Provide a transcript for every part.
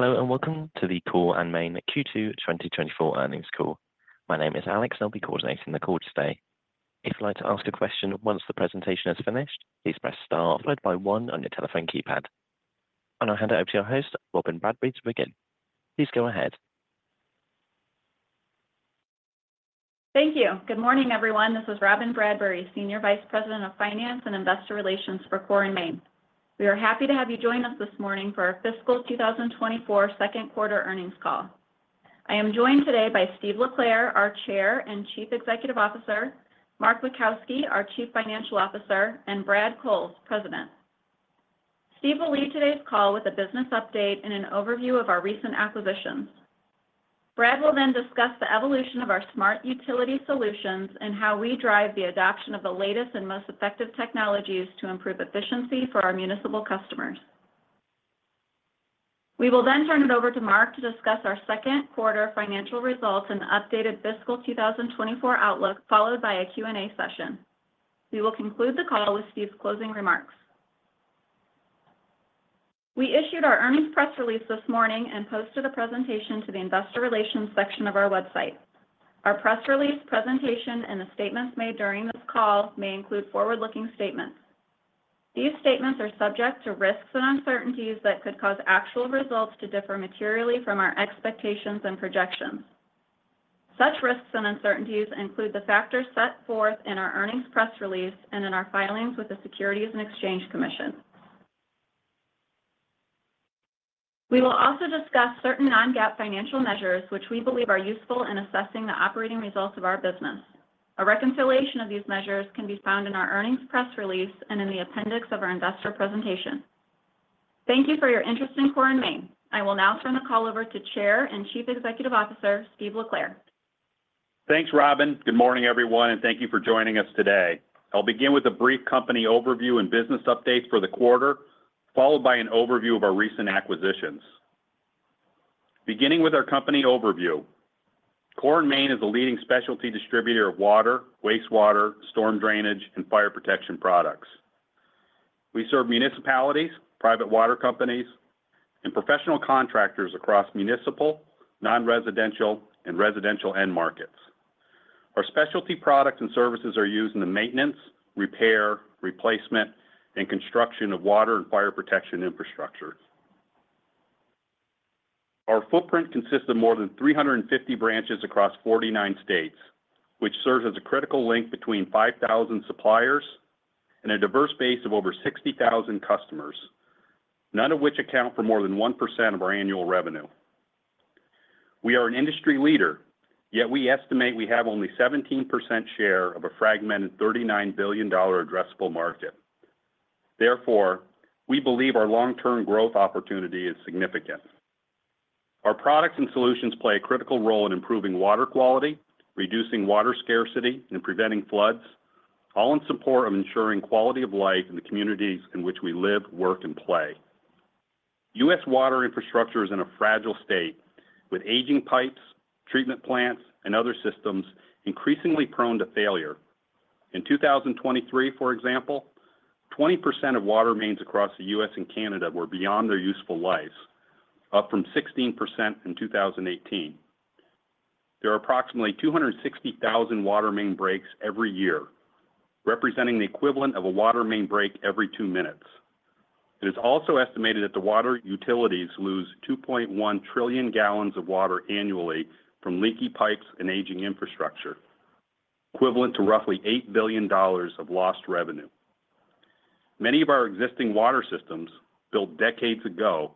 Hello, and welcome to the Core & Main Q2 2024 earnings call. My name is Alex, and I'll be coordinating the call today. If you'd like to ask a question once the presentation has finished, please press Star followed by One on your telephone keypad. And I'll hand it over to your host, Robyn Bradbury, to begin. Please go ahead. Thank you. Good morning, everyone. This is Robyn Bradbury, Senior Vice President of Finance and Investor Relations for Core & Main. We are happy to have you join us this morning for our fiscal 2024 second quarter earnings call. I am joined today by Steve LeClair, our Chair and Chief Executive Officer, Mark Witkowski, our Chief Financial Officer, and Brad Cowles, President. Steve will lead today's call with a business update and an overview of our recent acquisitions. Brad will then discuss the evolution of our smart utility solutions and how we drive the adoption of the latest and most effective technologies to improve efficiency for our municipal customers. We will then turn it over to Mark to discuss our second quarter financial results and the updated fiscal 2024 outlook, followed by a Q&A session. We will conclude the call with Steve's closing remarks. We issued our earnings press release this morning and posted a presentation to the investor relations section of our website. Our press release presentation and the statements made during this call may include forward-looking statements. These statements are subject to risks and uncertainties that could cause actual results to differ materially from our expectations and projections. Such risks and uncertainties include the factors set forth in our earnings press release and in our filings with the Securities and Exchange Commission. We will also discuss certain non-GAAP financial measures, which we believe are useful in assessing the operating results of our business. A reconciliation of these measures can be found in our earnings press release and in the appendix of our investor presentation. Thank you for your interest in Core & Main. I will now turn the call over to Chair and Chief Executive Officer, Steve LeClair. Thanks, Robyn. Good morning, everyone, and thank you for joining us today. I'll begin with a brief company overview and business update for the quarter, followed by an overview of our recent acquisitions. Beginning with our company overview, Core & Main is a leading specialty distributor of water, wastewater, storm drainage, and fire protection products. We serve municipalities, private water companies, and professional contractors across municipal, non-residential, and residential end markets. Our specialty products and services are used in the maintenance, repair, replacement, and construction of water and fire protection infrastructures. Our footprint consists of more than 350 branches across 49 states, which serves as a critical link between 5,000 suppliers and a diverse base of over 60,000 customers, none of which account for more than 1% of our annual revenue. We are an industry leader, yet we estimate we have only 17% share of a fragmented $39 billion addressable market. Therefore, we believe our long-term growth opportunity is significant. Our products and solutions play a critical role in improving water quality, reducing water scarcity, and preventing floods, all in support of ensuring quality of life in the communities in which we live, work, and play. U.S. water infrastructure is in a fragile state, with aging pipes, treatment plants, and other systems increasingly prone to failure. In 2023, for example, 20% of water mains across the U.S. and Canada were beyond their useful lives, up from 16% in 2018. There are approximately 260,000 water main breaks every year, representing the equivalent of a water main break every two minutes. It is also estimated that the water utilities lose 2.1 trillion gallons of water annually from leaky pipes and aging infrastructure, equivalent to roughly $8 billion of lost revenue. Many of our existing water systems, built decades ago,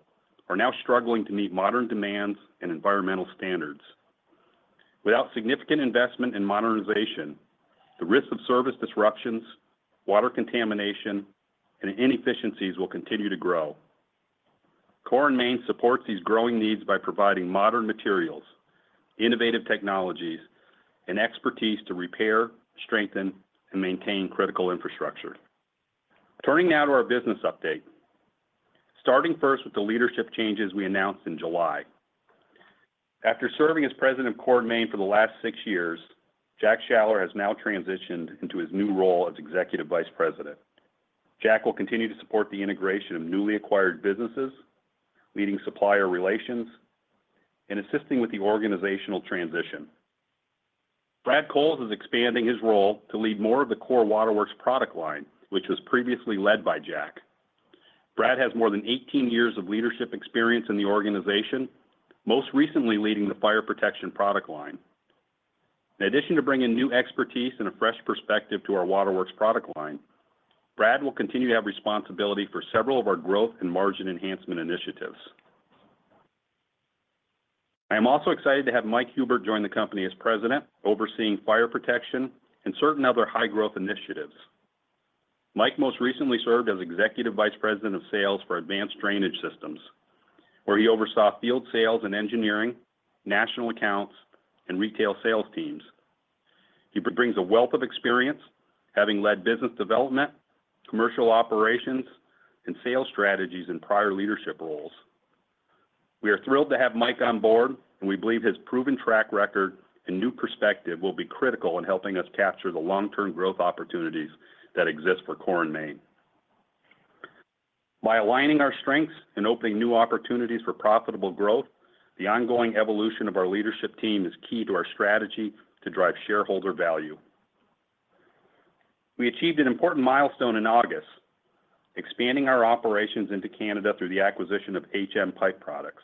are now struggling to meet modern demands and environmental standards. Without significant investment in modernization, the risk of service disruptions, water contamination, and inefficiencies will continue to grow. Core & Main supports these growing needs by providing modern materials, innovative technologies, and expertise to repair, strengthen, and maintain critical infrastructure. Turning now to our business update. Starting first with the leadership changes we announced in July. After serving as president of Core & Main for the last six years, Jack Schaller has now transitioned into his new role as Executive Vice President. Jack will continue to support the integration of newly acquired businesses, leading supplier relations, and assisting with the organizational transition. Brad Cowles is expanding his role to lead more of the Core Waterworks product line, which was previously led by Jack. Brad has more than 18 years of leadership experience in the organization, most recently leading the fire protection product line. In addition to bringing new expertise and a fresh perspective to our Waterworks product line, Brad will continue to have responsibility for several of our growth and margin enhancement initiatives. I am also excited to have Mike Huebert join the company as president, overseeing fire protection and certain other high-growth initiatives. Mike most recently served as Executive Vice President of Sales for Advanced Drainage Systems, where he oversaw field sales and engineering, national accounts, and retail sales teams. He brings a wealth of experience, having led business development, commercial operations, and sales strategies in prior leadership roles. We are thrilled to have Mike on board, and we believe his proven track record and new perspective will be critical in helping us capture the long-term growth opportunities that exist for Core & Main. By aligning our strengths and opening new opportunities for profitable growth, the ongoing evolution of our leadership team is key to our strategy to drive shareholder value. We achieved an important milestone in August, expanding our operations into Canada through the acquisition of HM Pipe Products.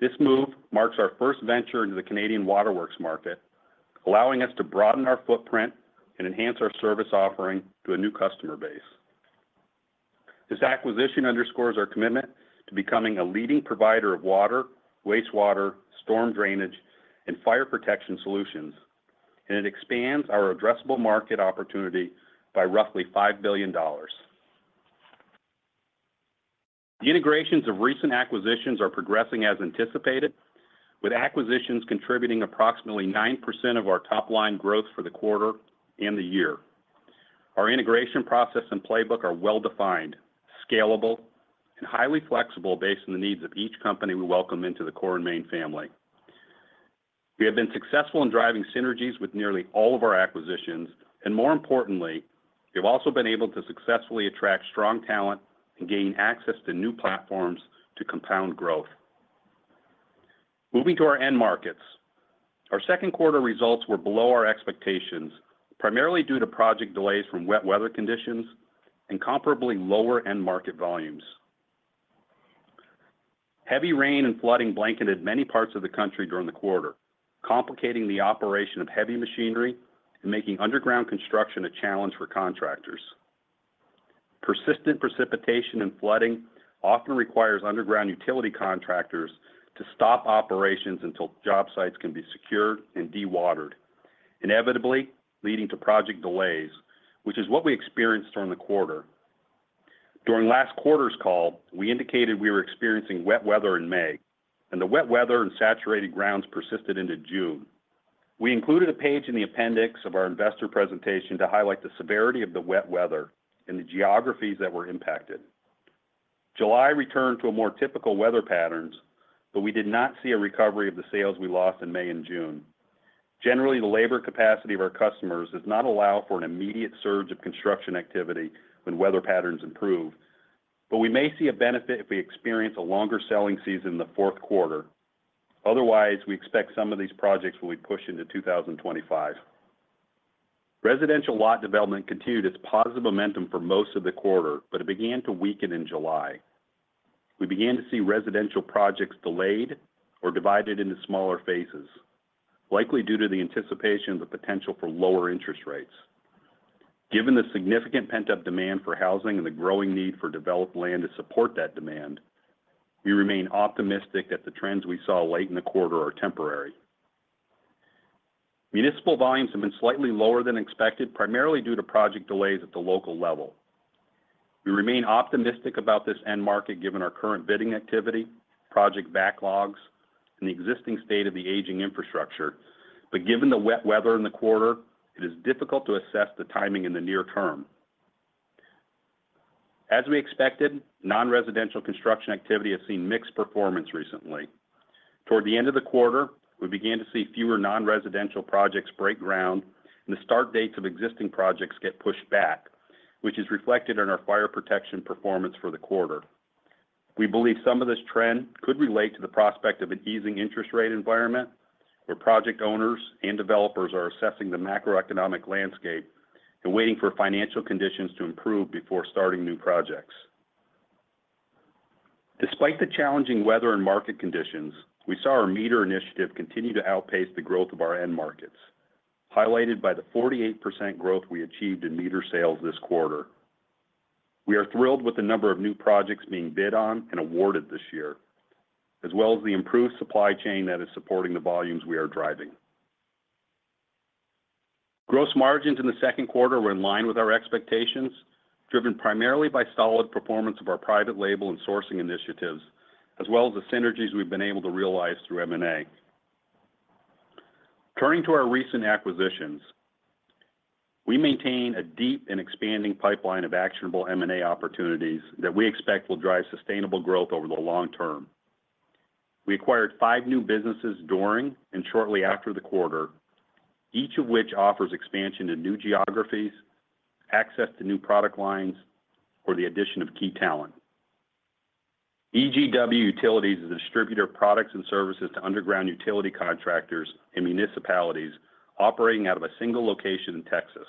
This move marks our first venture into the Canadian waterworks market, allowing us to broaden our footprint and enhance our service offering to a new customer base. This acquisition underscores our commitment to becoming a leading provider of water, wastewater, storm drainage, and fire protection solutions, and it expands our addressable market opportunity by roughly $5 billion. The integrations of recent acquisitions are progressing as anticipated, with acquisitions contributing approximately 9% of our top-line growth for the quarter and the year. Our integration process and playbook are well-defined, scalable, and highly flexible based on the needs of each company we welcome into the Core & Main family. We have been successful in driving synergies with nearly all of our acquisitions, and more importantly, we've also been able to successfully attract strong talent and gain access to new platforms to compound growth. Moving to our end markets. Our second quarter results were below our expectations, primarily due to project delays from wet weather conditions and comparably lower end market volumes. Heavy rain and flooding blanketed many parts of the country during the quarter, complicating the operation of heavy machinery and making underground construction a challenge for contractors. Persistent precipitation and flooding often requires underground utility contractors to stop operations until job sites can be secured and dewatered, inevitably leading to project delays, which is what we experienced during the quarter. During last quarter's call, we indicated we were experiencing wet weather in May, and the wet weather and saturated grounds persisted into June. We included a page in the appendix of our investor presentation to highlight the severity of the wet weather and the geographies that were impacted. July returned to a more typical weather patterns, but we did not see a recovery of the sales we lost in May and June. Generally, the labor capacity of our customers does not allow for an immediate surge of construction activity when weather patterns improve, but we may see a benefit if we experience a longer selling season in the fourth quarter. Otherwise, we expect some of these projects will be pushed into 2025. Residential lot development continued its positive momentum for most of the quarter, but it began to weaken in July. We began to see residential projects delayed or divided into smaller phases, likely due to the anticipation of the potential for lower interest rates. Given the significant pent-up demand for housing and the growing need for developed land to support that demand, we remain optimistic that the trends we saw late in the quarter are temporary. Municipal volumes have been slightly lower than expected, primarily due to project delays at the local level. We remain optimistic about this end market, given our current bidding activity, project backlogs, and the existing state of the aging infrastructure. But given the wet weather in the quarter, it is difficult to assess the timing in the near term. As we expected, non-residential construction activity has seen mixed performance recently. Toward the end of the quarter, we began to see fewer non-residential projects break ground and the start dates of existing projects get pushed back, which is reflected in our fire protection performance for the quarter. We believe some of this trend could relate to the prospect of an easing interest rate environment, where project owners and developers are assessing the macroeconomic landscape and waiting for financial conditions to improve before starting new projects. Despite the challenging weather and market conditions, we saw our meter initiative continue to outpace the growth of our end markets, highlighted by the 48% growth we achieved in meter sales this quarter. We are thrilled with the number of new projects being bid on and awarded this year, as well as the improved supply chain that is supporting the volumes we are driving. Gross margins in the second quarter were in line with our expectations, driven primarily by solid performance of our private label and sourcing initiatives, as well as the synergies we've been able to realize through M&A. Turning to our recent acquisitions, we maintain a deep and expanding pipeline of actionable M&A opportunities that we expect will drive sustainable growth over the long term. We acquired five new businesses during and shortly after the quarter, each of which offers expansion to new geographies, access to new product lines, or the addition of key talent. EGW Utilities is a distributor of products and services to underground utility contractors and municipalities operating out of a single location in Texas.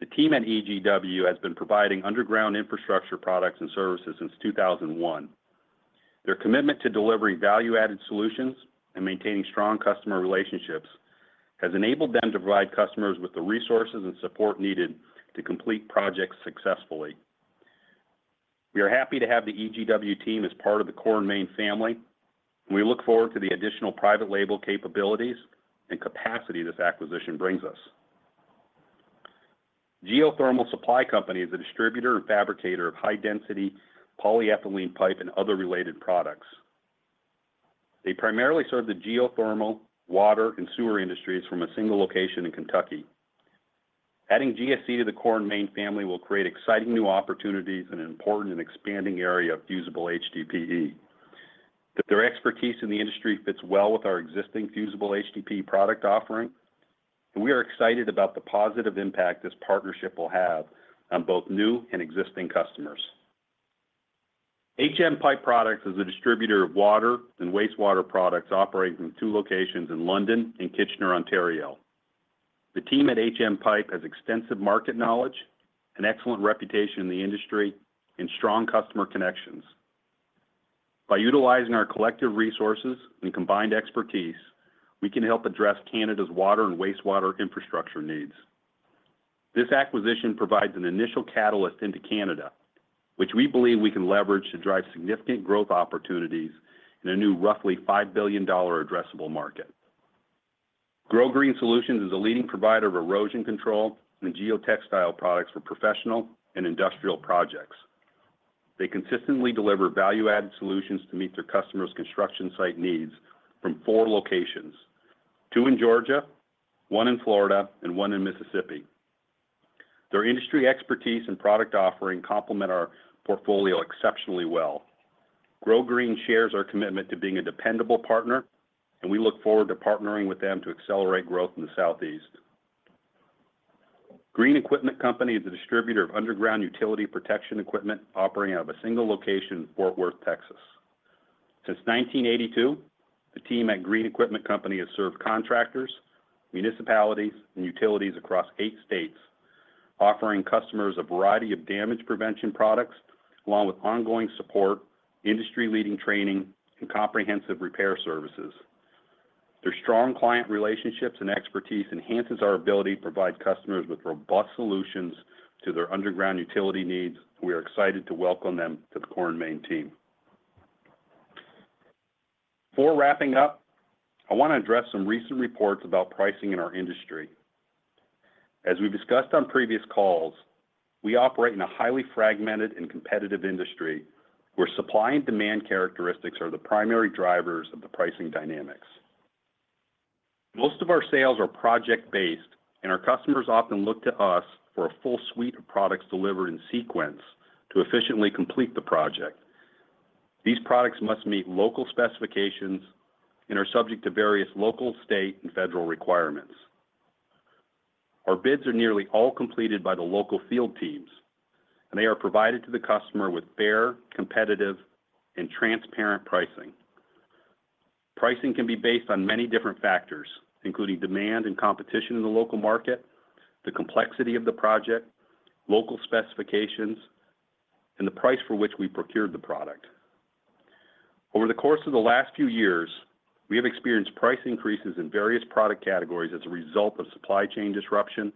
The team at EGW has been providing underground infrastructure products and services since 2001. Their commitment to delivering value-added solutions and maintaining strong customer relationships has enabled them to provide customers with the resources and support needed to complete projects successfully. We are happy to have the EGW team as part of the Core & Main family, and we look forward to the additional private label capabilities and capacity this acquisition brings us. Geothermal Supply Company is a distributor and fabricator of high-density polyethylene pipe and other related products. They primarily serve the geothermal, water, and sewer industries from a single location in Kentucky. Adding GSC to the Core & Main family will create exciting new opportunities in an important and expanding area of fusible HDPE. Their expertise in the industry fits well with our existing fusible HDPE product offering, and we are excited about the positive impact this partnership will have on both new and existing customers. HM Pipe Products is a distributor of water and wastewater products operating from two locations in London and Kitchener, Ontario. The team at HM Pipe has extensive market knowledge, an excellent reputation in the industry, and strong customer connections. By utilizing our collective resources and combined expertise, we can help address Canada's water and wastewater infrastructure needs. This acquisition provides an initial catalyst into Canada, which we believe we can leverage to drive significant growth opportunities in a new roughly $5 billion addressable market. GroGreen Solutions is a leading provider of erosion control and geotextile products for professional and industrial projects. They consistently deliver value-added solutions to meet their customers' construction site needs from four locations: two in Georgia, one in Florida, and one in Mississippi. Their industry expertise and product offering complement our portfolio exceptionally well. GroGreen shares our commitment to being a dependable partner, and we look forward to partnering with them to accelerate growth in the Southeast. Green Equipment Company is a distributor of underground utility protection equipment, operating out of a single location in Fort Worth, Texas. Since 1982, the team at Green Equipment Company has served contractors, municipalities, and utilities across eight states, offering customers a variety of damage prevention products, along with ongoing support, industry-leading training, and comprehensive repair services. Their strong client relationships and expertise enhances our ability to provide customers with robust solutions to their underground utility needs. We are excited to welcome them to the Core & Main team. Before wrapping up, I want to address some recent reports about pricing in our industry. As we've discussed on previous calls, we operate in a highly fragmented and competitive industry, where supply and demand characteristics are the primary drivers of the pricing dynamics. Most of our sales are project-based, and our customers often look to us for a full suite of products delivered in sequence to efficiently complete the project. These products must meet local specifications and are subject to various local, state, and federal requirements. Our bids are nearly all completed by the local field teams, and they are provided to the customer with fair, competitive, and transparent pricing. Pricing can be based on many different factors, including demand and competition in the local market, the complexity of the project, local specifications, and the price for which we procured the product. Over the course of the last few years, we have experienced price increases in various product categories as a result of supply chain disruption,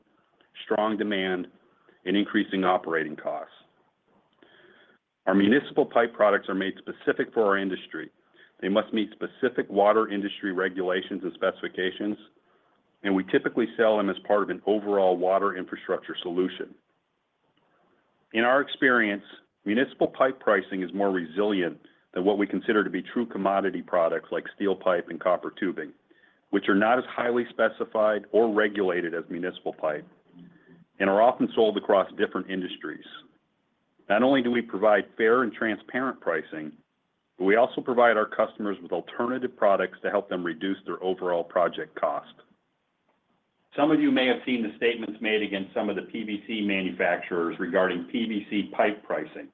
strong demand, and increasing operating costs. Our municipal pipe products are made specific for our industry. They must meet specific water industry regulations and specifications, and we typically sell them as part of an overall water infrastructure solution. In our experience, municipal pipe pricing is more resilient than what we consider to be true commodity products like steel pipe and copper tubing, which are not as highly specified or regulated as municipal pipe and are often sold across different industries. Not only do we provide fair and transparent pricing, but we also provide our customers with alternative products to help them reduce their overall project cost. Some of you may have seen the statements made against some of the PVC manufacturers regarding PVC pipe pricing.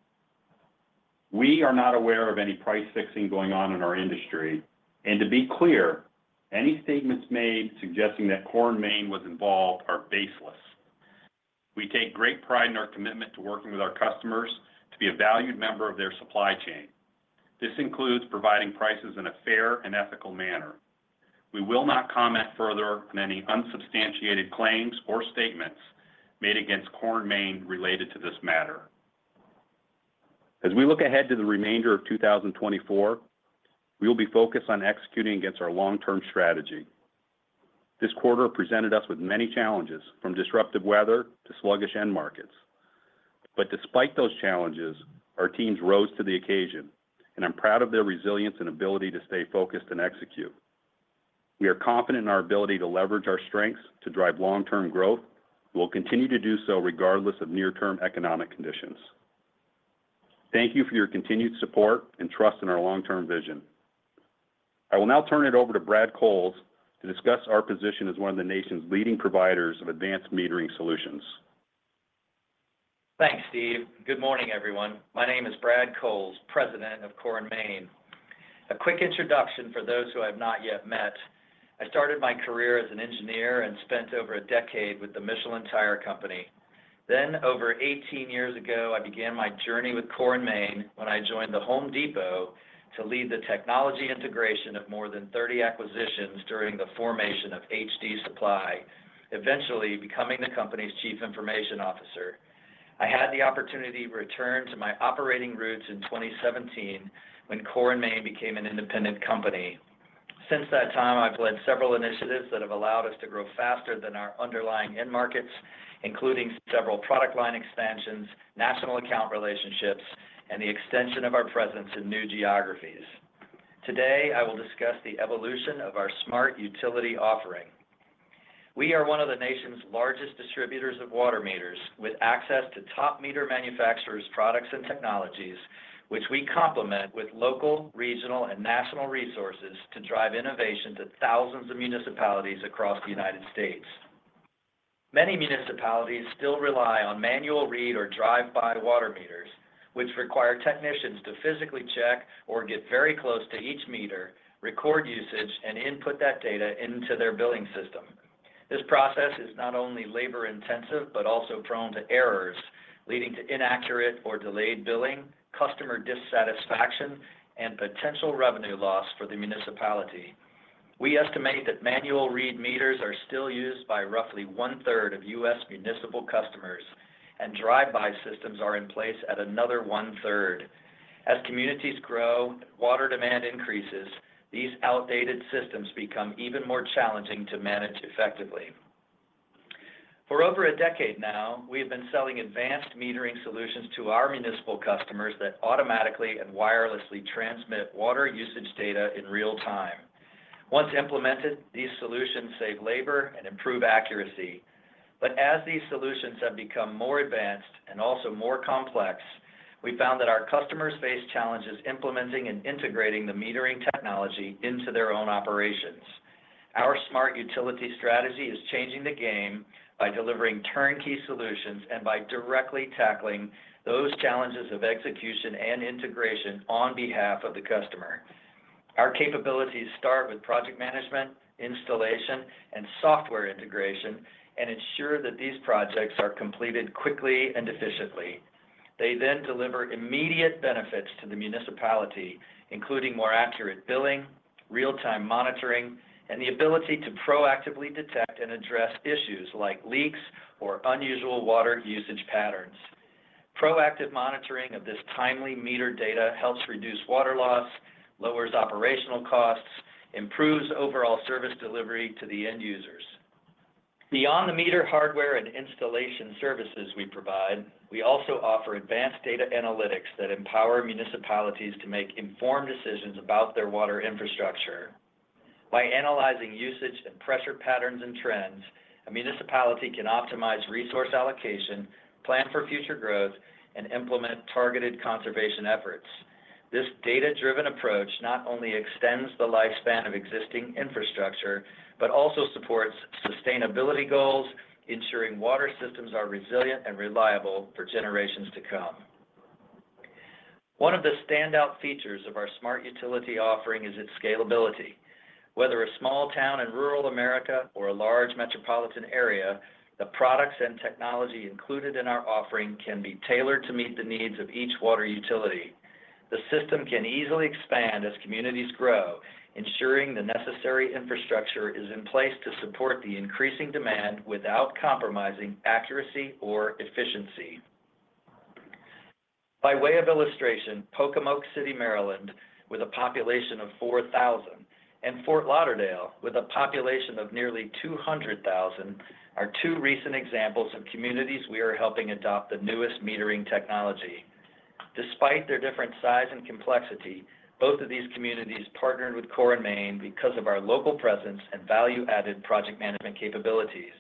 We are not aware of any price fixing going on in our industry, and to be clear, any statements made suggesting that Core & Main was involved are baseless. We take great pride in our commitment to working with our customers to be a valued member of their supply chain. This includes providing prices in a fair and ethical manner. We will not comment further on any unsubstantiated claims or statements made against Core & Main related to this matter. As we look ahead to the remainder of 2024, we will be focused on executing against our long-term strategy. This quarter presented us with many challenges, from disruptive weather to sluggish end markets. But despite those challenges, our teams rose to the occasion, and I'm proud of their resilience and ability to stay focused and execute. We are confident in our ability to leverage our strengths to drive long-term growth. We'll continue to do so regardless of near-term economic conditions. Thank you for your continued support and trust in our long-term vision. I will now turn it over to Brad Cowles to discuss our position as one of the nation's leading providers of advanced metering solutions. Thanks, Steve. Good morning, everyone. My name is Brad Cowles, President of Core & Main. A quick introduction for those who I've not yet met. I started my career as an engineer and spent over a decade with the Michelin Tire Company. Then, over 18 years ago, I began my journey with Core & Main when I joined the Home Depot to lead the technology integration of more than 30 acquisitions during the formation of HD Supply, eventually becoming the company's Chief Information Officer. I had the opportunity to return to my operating roots in 2017 when Core & Main became an independent company. Since that time, I've led several initiatives that have allowed us to grow faster than our underlying end markets, including several product line expansions, national account relationships, and the extension of our presence in new geographies. Today, I will discuss the evolution of our smart utility offering. We are one of the nation's largest distributors of water meters, with access to top meter manufacturers, products, and technologies, which we complement with local, regional, and national resources to drive innovation to thousands of municipalities across the United States. Many municipalities still rely on manual read or drive-by water meters, which require technicians to physically check or get very close to each meter, record usage, and input that data into their billing system. This process is not only labor-intensive, but also prone to errors, leading to inaccurate or delayed billing, customer dissatisfaction, and potential revenue loss for the municipality. We estimate that manual read meters are still used by roughly 1/3 of U.S. municipal customers, and drive-by systems are in place at another 1/3. As communities grow, water demand increases, these outdated systems become even more challenging to manage effectively. For over a decade now, we have been selling advanced metering solutions to our municipal customers that automatically and wirelessly transmit water usage data in real time. Once implemented, these solutions save labor and improve accuracy. But as these solutions have become more advanced and also more complex, we found that our customers face challenges implementing and integrating the metering technology into their own operations. Our smart utility strategy is changing the game by delivering turnkey solutions and by directly tackling those challenges of execution and integration on behalf of the customer. Our capabilities start with project management, installation, and software integration, and ensure that these projects are completed quickly and efficiently. They then deliver immediate benefits to the municipality, including more accurate billing, real-time monitoring, and the ability to proactively detect and address issues like leaks or unusual water usage patterns. Proactive monitoring of this timely meter data helps reduce water loss, lowers operational costs, improves overall service delivery to the end users. Beyond the meter hardware and installation services we provide, we also offer advanced data analytics that empower municipalities to make informed decisions about their water infrastructure. By analyzing usage and pressure patterns and trends, a municipality can optimize resource allocation, plan for future growth, and implement targeted conservation efforts. This data-driven approach not only extends the lifespan of existing infrastructure, but also supports sustainability goals, ensuring water systems are resilient and reliable for generations to come. One of the standout features of our smart utility offering is its scalability. Whether a small town in rural America or a large metropolitan area, the products and technology included in our offering can be tailored to meet the needs of each water utility. The system can easily expand as communities grow, ensuring the necessary infrastructure is in place to support the increasing demand without compromising accuracy or efficiency. By way of illustration, Pocomoke City, Maryland, with a population of 4,000, and Fort Lauderdale, with a population of nearly two hundred thousand, are two recent examples of communities we are helping adopt the newest metering technology. Despite their different size and complexity, both of these communities partnered with Core & Main because of our local presence and value-added project management capabilities.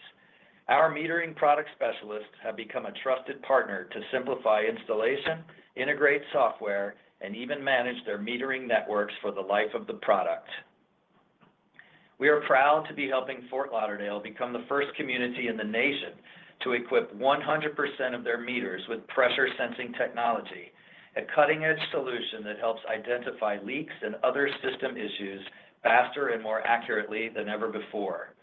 Our metering product specialists have become a trusted partner to simplify installation, integrate software, and even manage their metering networks for the life of the product. We are proud to be helping Fort Lauderdale become the first community in the nation to equip 100% of their meters with pressure-sensing technology, a cutting-edge solution that helps identify leaks and other system issues faster and more accurately than ever before.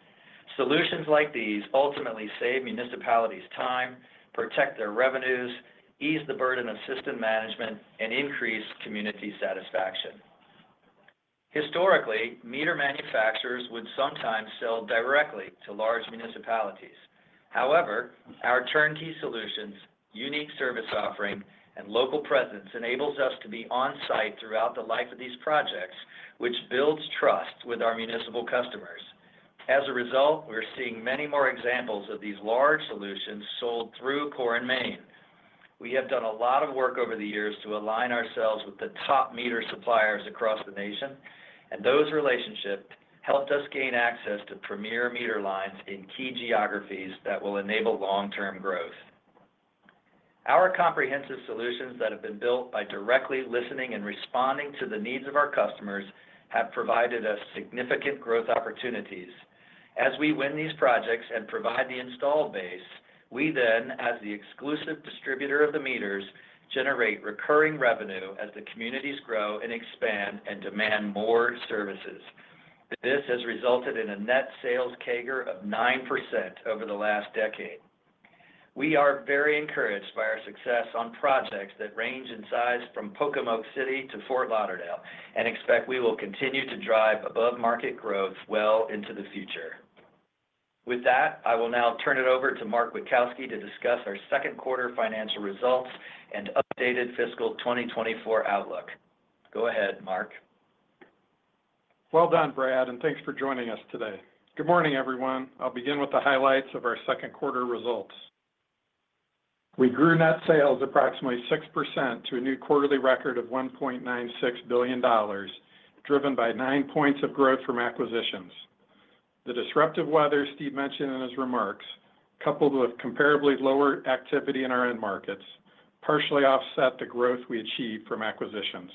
Solutions like these ultimately save municipalities time, protect their revenues, ease the burden of system management, and increase community satisfaction. Historically, meter manufacturers would sometimes sell directly to large municipalities. However, our turnkey solutions, unique service offering, and local presence enables us to be on-site throughout the life of these projects, which builds trust with our municipal customers. As a result, we are seeing many more examples of these large solutions sold through Core & Main. We have done a lot of work over the years to align ourselves with the top meter suppliers across the nation, and those relationships helped us gain access to premier meter lines in key geographies that will enable long-term growth. Our comprehensive solutions that have been built by directly listening and responding to the needs of our customers have provided us significant growth opportunities. As we win these projects and provide the install base, we then, as the exclusive distributor of the meters, generate recurring revenue as the communities grow and expand and demand more services. This has resulted in a net sales CAGR of 9% over the last decade. We are very encouraged by our success on projects that range in size from Pocomoke City to Fort Lauderdale, and expect we will continue to drive above-market growth well into the future. With that, I will now turn it over to Mark Witkowski to discuss our second quarter financial results and updated fiscal 2024 outlook. Go ahead, Mark. Well done, Brad, and thanks for joining us today. Good morning, everyone. I'll begin with the highlights of our second quarter results. We grew net sales approximately 6% to a new quarterly record of $1.96 billion, driven by 9 points of growth from acquisitions. The disruptive weather Steve mentioned in his remarks, coupled with comparably lower activity in our end markets, partially offset the growth we achieved from acquisitions.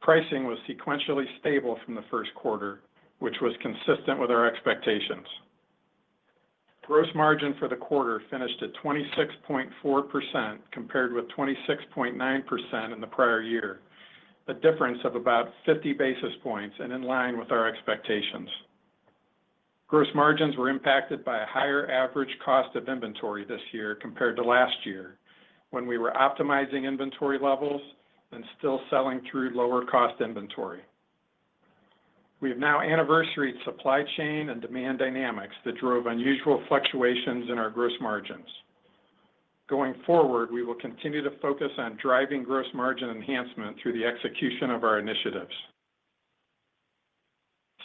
Pricing was sequentially stable from the first quarter, which was consistent with our expectations. Gross margin for the quarter finished at 26.4%, compared with 26.9% in the prior year, a difference of about 50 basis points and in line with our expectations. Gross margins were impacted by a higher average cost of inventory this year compared to last year, when we were optimizing inventory levels and still selling through lower cost inventory. We have now anniversaried supply chain and demand dynamics that drove unusual fluctuations in our gross margins. Going forward, we will continue to focus on driving gross margin enhancement through the execution of our initiatives.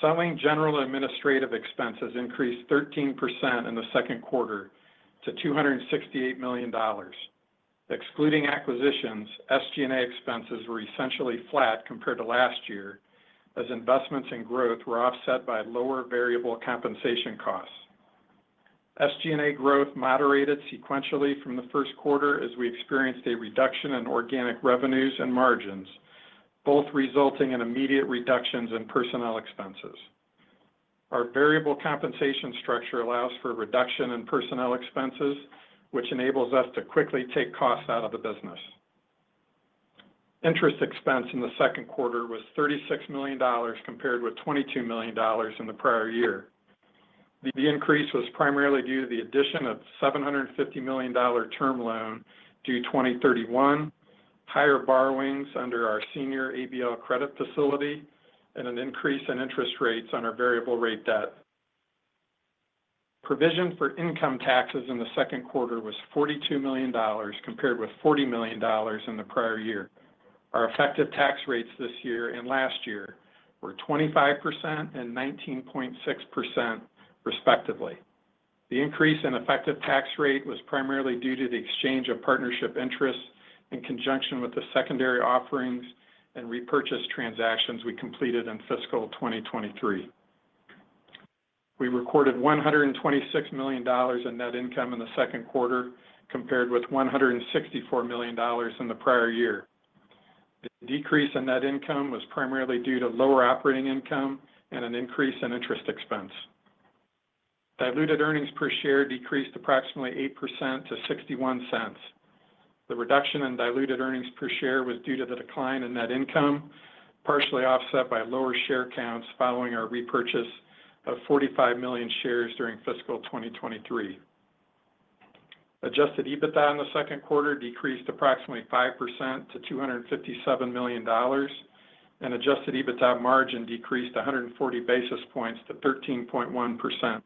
Selling, general, and administrative expenses increased 13% in the second quarter to $268 million. Excluding acquisitions, SG&A expenses were essentially flat compared to last year, as investments in growth were offset by lower variable compensation costs. SG&A growth moderated sequentially from the first quarter as we experienced a reduction in organic revenues and margins, both resulting in immediate reductions in personnel expenses. Our variable compensation structure allows for a reduction in personnel expenses, which enables us to quickly take costs out of the business. Interest expense in the second quarter was $36 million, compared with $22 million in the prior year. The increase was primarily due to the addition of $750 million term loan due 2031, higher borrowings under our senior ABL credit facility, and an increase in interest rates on our variable rate debt. Provision for income taxes in the second quarter was $42 million, compared with $40 million in the prior year. Our effective tax rates this year and last year were 25% and 19.6%, respectively. The increase in effective tax rate was primarily due to the exchange of partnership interests in conjunction with the secondary offerings and repurchase transactions we completed in fiscal 2023. We recorded $126 million in net income in the second quarter, compared with $164 million in the prior year. The decrease in net income was primarily due to lower operating income and an increase in interest expense. Diluted earnings per share decreased approximately 8% to $0.61. The reduction in diluted earnings per share was due to the decline in net income, partially offset by lower share counts following our repurchase of 45 million shares during fiscal 2023. Adjusted EBITDA in the second quarter decreased approximately 5% to $257 million, and Adjusted EBITDA margin decreased 140 basis points to 13.1%.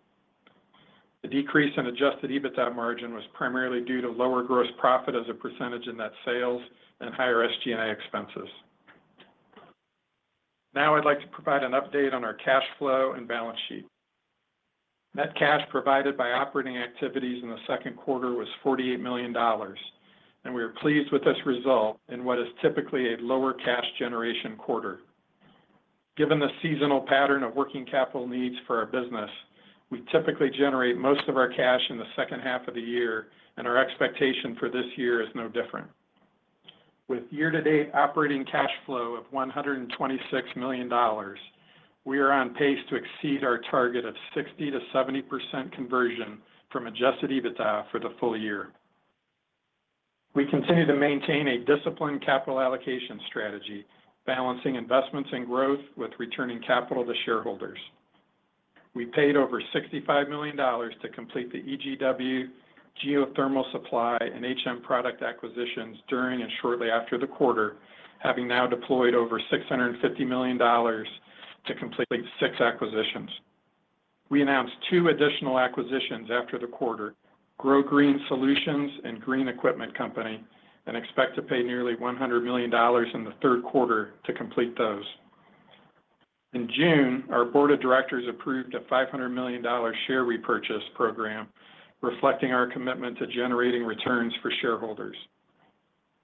The decrease in Adjusted EBITDA margin was primarily due to lower gross profit as a percentage of net sales and higher SG&A expenses. Now I'd like to provide an update on our cash flow and balance sheet. Net cash provided by operating activities in the second quarter was $48 million, and we are pleased with this result in what is typically a lower cash generation quarter. Given the seasonal pattern of working capital needs for our business, we typically generate most of our cash in the second half of the year, and our expectation for this year is no different. With year-to-date operating cash flow of $126 million, we are on pace to exceed our target of 60%-70% conversion from Adjusted EBITDA for the full year. We continue to maintain a disciplined capital allocation strategy, balancing investments in growth with returning capital to shareholders. We paid over $65 million to complete the EGW, Geothermal Supply, and HM Pipe Products acquisitions during and shortly after the quarter, having now deployed over $650 million to complete six acquisitions. We announced two additional acquisitions after the quarter, GroGreen Solutions and Green Equipment Company, and expect to pay nearly $100 million in the third quarter to complete those. In June, our board of directors approved a $500 million share repurchase program, reflecting our commitment to generating returns for shareholders.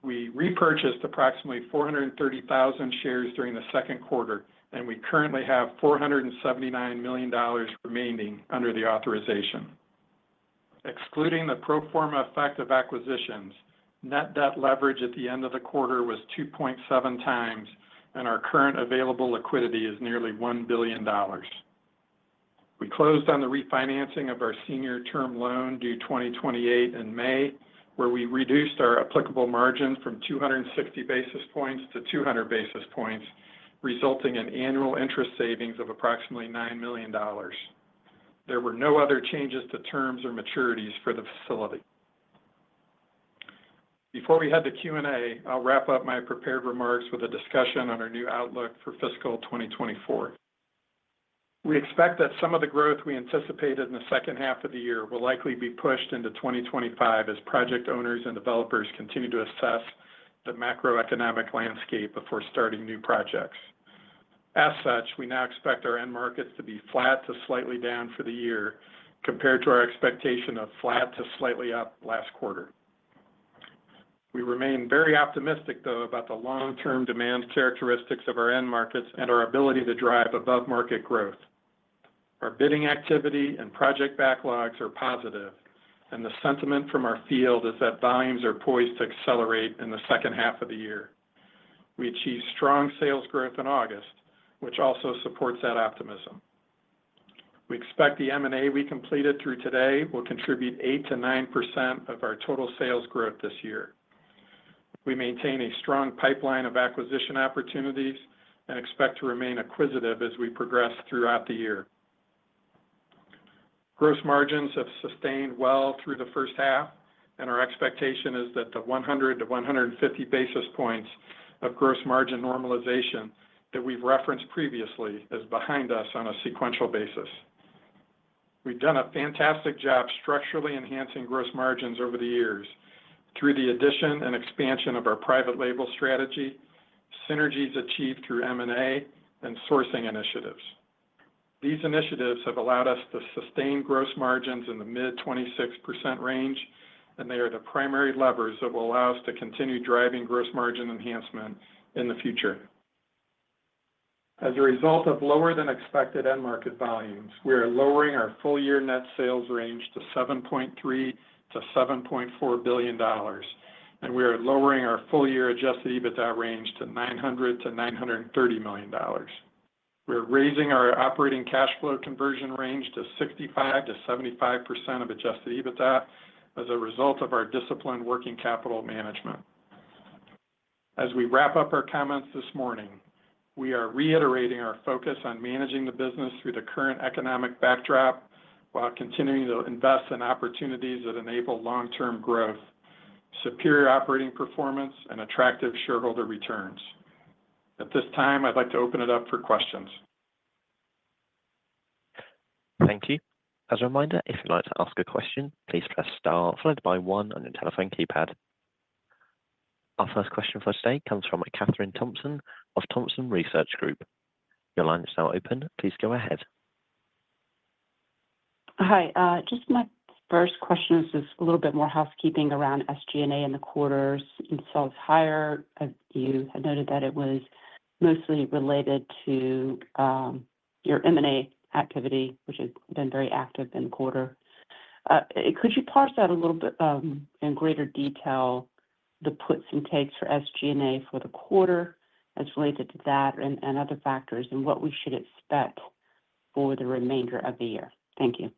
We repurchased approximately 430,000 shares during the second quarter, and we currently have $479 million remaining under the authorization. Excluding the pro forma effect of acquisitions, net debt leverage at the end of the quarter was 2.7 times, and our current available liquidity is nearly $1 billion. We closed on the refinancing of our senior term loan, due 2028 in May, where we reduced our applicable margin from 260 basis points to 200 basis points, resulting in annual interest savings of approximately $9 million. There were no other changes to terms or maturities for the facility. Before we head to Q&A, I'll wrap up my prepared remarks with a discussion on our new outlook for fiscal 2024. We expect that some of the growth we anticipated in the second half of the year will likely be pushed into 2025 as project owners and developers continue to assess the macroeconomic landscape before starting new projects. As such, we now expect our end markets to be flat to slightly down for the year compared to our expectation of flat to slightly up last quarter. We remain very optimistic, though, about the long-term demand characteristics of our end markets and our ability to drive above-market growth. Our bidding activity and project backlogs are positive, and the sentiment from our field is that volumes are poised to accelerate in the second half of the year. We achieved strong sales growth in August, which also supports that optimism. We expect the M&A we completed through today will contribute 8%-9% of our total sales growth this year. We maintain a strong pipeline of acquisition opportunities and expect to remain acquisitive as we progress throughout the year. Gross margins have sustained well through the first half, and our expectation is that the 100-150 basis points of gross margin normalization that we've referenced previously is behind us on a sequential basis. We've done a fantastic job structurally enhancing gross margins over the years through the addition and expansion of our private label strategy, synergies achieved through M&A, and sourcing initiatives. These initiatives have allowed us to sustain gross margins in the mid-26% range, and they are the primary levers that will allow us to continue driving gross margin enhancement in the future. As a result of lower-than-expected end market volumes, we are lowering our full year net sales range to $7.3 billion-$7.4 billion, and we are lowering our full year Adjusted EBITDA range to $900 million-$930 million. We are raising our operating cash flow conversion range to 65%-75% of Adjusted EBITDA as a result of our disciplined working capital management. As we wrap up our comments this morning, we are reiterating our focus on managing the business through the current economic backdrop while continuing to invest in opportunities that enable long-term growth, superior operating performance, and attractive shareholder returns. At this time, I'd like to open it up for questions. Thank you. As a reminder, if you'd like to ask a question, please press star followed by one on your telephone keypad. Our first question for today comes from Kathryn Thompson of Thompson Research Group. Your line is now open. Please go ahead. Hi, just my first question is just a little bit more housekeeping around SG&A in the quarters. It swelled higher. As you had noted that it was mostly related to, your M&A activity, which has been very active in the quarter. Could you parse out a little bit, in greater detail, the puts and takes for SG&A for the quarter as related to that and, and other factors, and what we should expect for the remainder of the year? Thank you.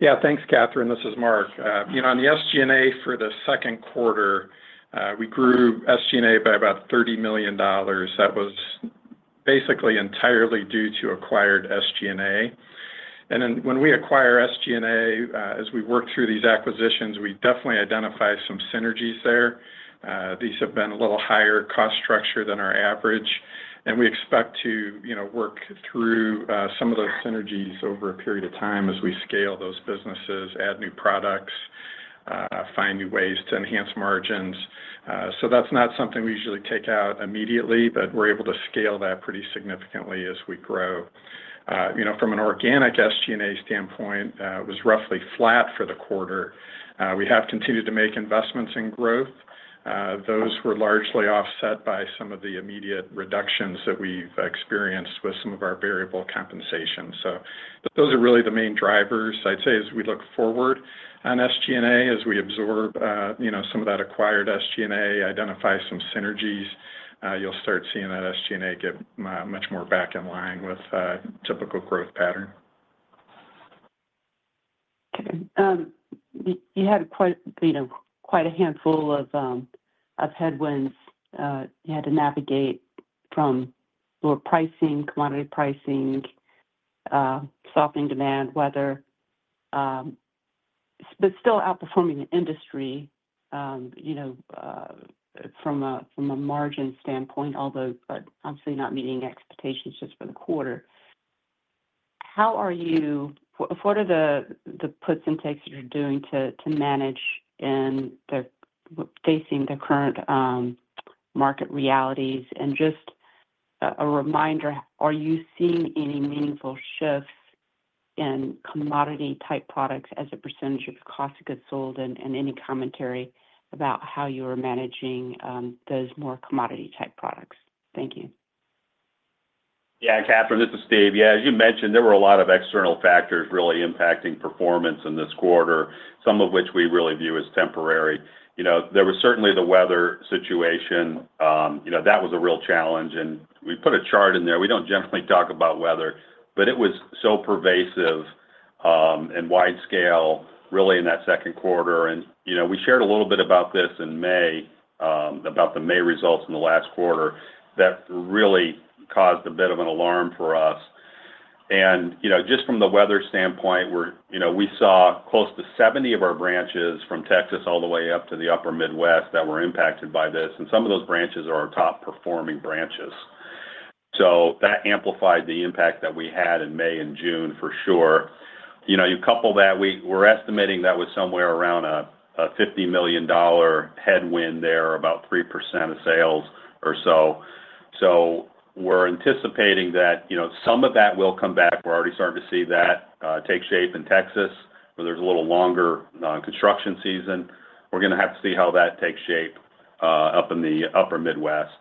Yeah. Thanks, Kathryn. This is Mark. You know, on the SG&A for the second quarter, we grew SG&A by about $30 million. That was basically entirely due to acquired SG&A. And then when we acquire SG&A, as we work through these acquisitions, we definitely identify some synergies there. These have been a little higher cost structure than our average, and we expect to, you know, work through some of those synergies over a period of time as we scale those businesses, add new products, find new ways to enhance margins. So that's not something we usually take out immediately, but we're able to scale that pretty significantly as we grow. You know, from an organic SG&A standpoint, it was roughly flat for the quarter. We have continued to make investments in growth. Those were largely offset by some of the immediate reductions that we've experienced with some of our variable compensation. So but those are really the main drivers, I'd say, as we look forward on SG&A, as we absorb, you know, some of that acquired SG&A, identify some synergies, you'll start seeing that SG&A get much more back in line with typical growth pattern. Okay. You had quite, you know, quite a handful of headwinds you had to navigate from lower pricing, commodity pricing, softening demand, weather, but still outperforming the industry, you know, from a margin standpoint, although obviously not meeting expectations just for the quarter. How are you? What are the puts and takes that you're doing to manage and facing the current market realities? And just a reminder, are you seeing any meaningful shifts in commodity-type products as a percentage of cost of goods sold, and any commentary about how you are managing those more commodity-type products? Thank you. Yeah, Kathryn, this is Steve. Yeah, as you mentioned, there were a lot of external factors really impacting performance in this quarter, some of which we really view as temporary. You know, there was certainly the weather situation. You know, that was a real challenge, and we put a chart in there. We don't generally talk about weather, but it was so pervasive and wide scale, really, in that second quarter, and you know, we shared a little bit about this in May about the May results in the last quarter. That really caused a bit of an alarm for us, and you know, just from the weather standpoint, we're, you know, we saw close to 70 of our branches from Texas all the way up to the upper Midwest that were impacted by this, and some of those branches are our top-performing branches. So that amplified the impact that we had in May and June, for sure. You know, you couple that, we're estimating that was somewhere around a $50 million headwind there, about 3% of sales or so. So we're anticipating that, you know, some of that will come back. We're already starting to see that take shape in Texas, where there's a little longer non-construction season. We're gonna have to see how that takes shape up in the upper Midwest.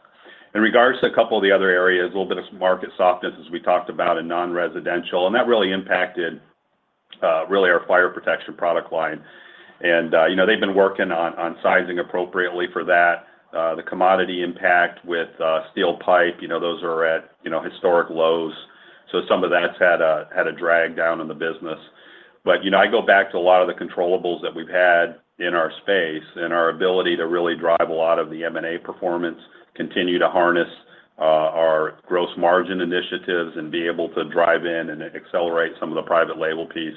In regards to a couple of the other areas, a little bit of market softness, as we talked about in non-residential, and that really impacted really our fire protection product line. And, you know, they've been working on sizing appropriately for that. The commodity impact with steel pipe, you know, those are at historic lows, so some of that's had a drag down on the business. But, you know, I go back to a lot of the controllables that we've had in our space and our ability to really drive a lot of the M&A performance, continue to harness our gross margin initiatives, and be able to drive in and accelerate some of the private label piece,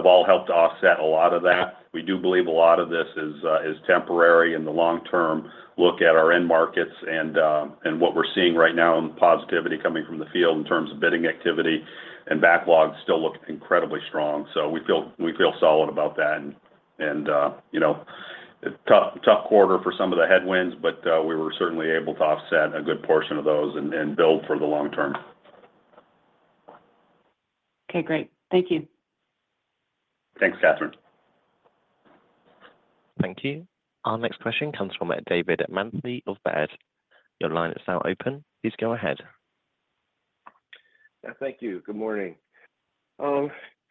have all helped to offset a lot of that. We do believe a lot of this is temporary in the long term. Look at our end markets and what we're seeing right now and the positivity coming from the field in terms of bidding activity, and backlogs still look incredibly strong. So we feel solid about that. You know, a tough quarter for some of the headwinds, but we were certainly able to offset a good portion of those and build for the long term. Okay, great. Thank you. Thanks, Catherine. Thank you. Our next question comes from David Manthey of Baird. Your line is now open. Please go ahead. Thank you. Good morning.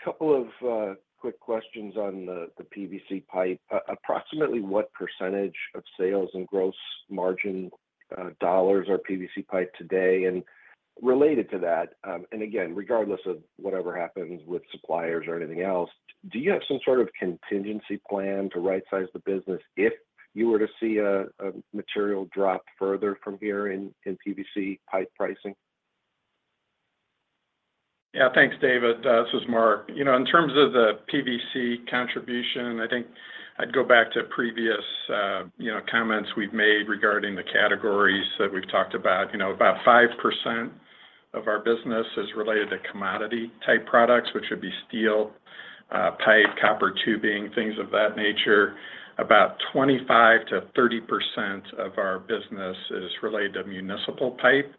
Couple of quick questions on the PVC pipe. Approximately what percentage of sales and gross margin dollars are PVC pipe today? And related to that, and again, regardless of whatever happens with suppliers or anything else, do you have some sort of contingency plan to rightsize the business if you were to see a material drop further from here in PVC pipe pricing? Yeah. Thanks, David. This is Mark. You know, in terms of the PVC contribution, I think I'd go back to previous, you know, comments we've made regarding the categories that we've talked about. You know, about 5% of our business is related to commodity-type products, which would be steel pipe, copper tubing, things of that nature. About 25%-30% of our business is related to municipal pipe,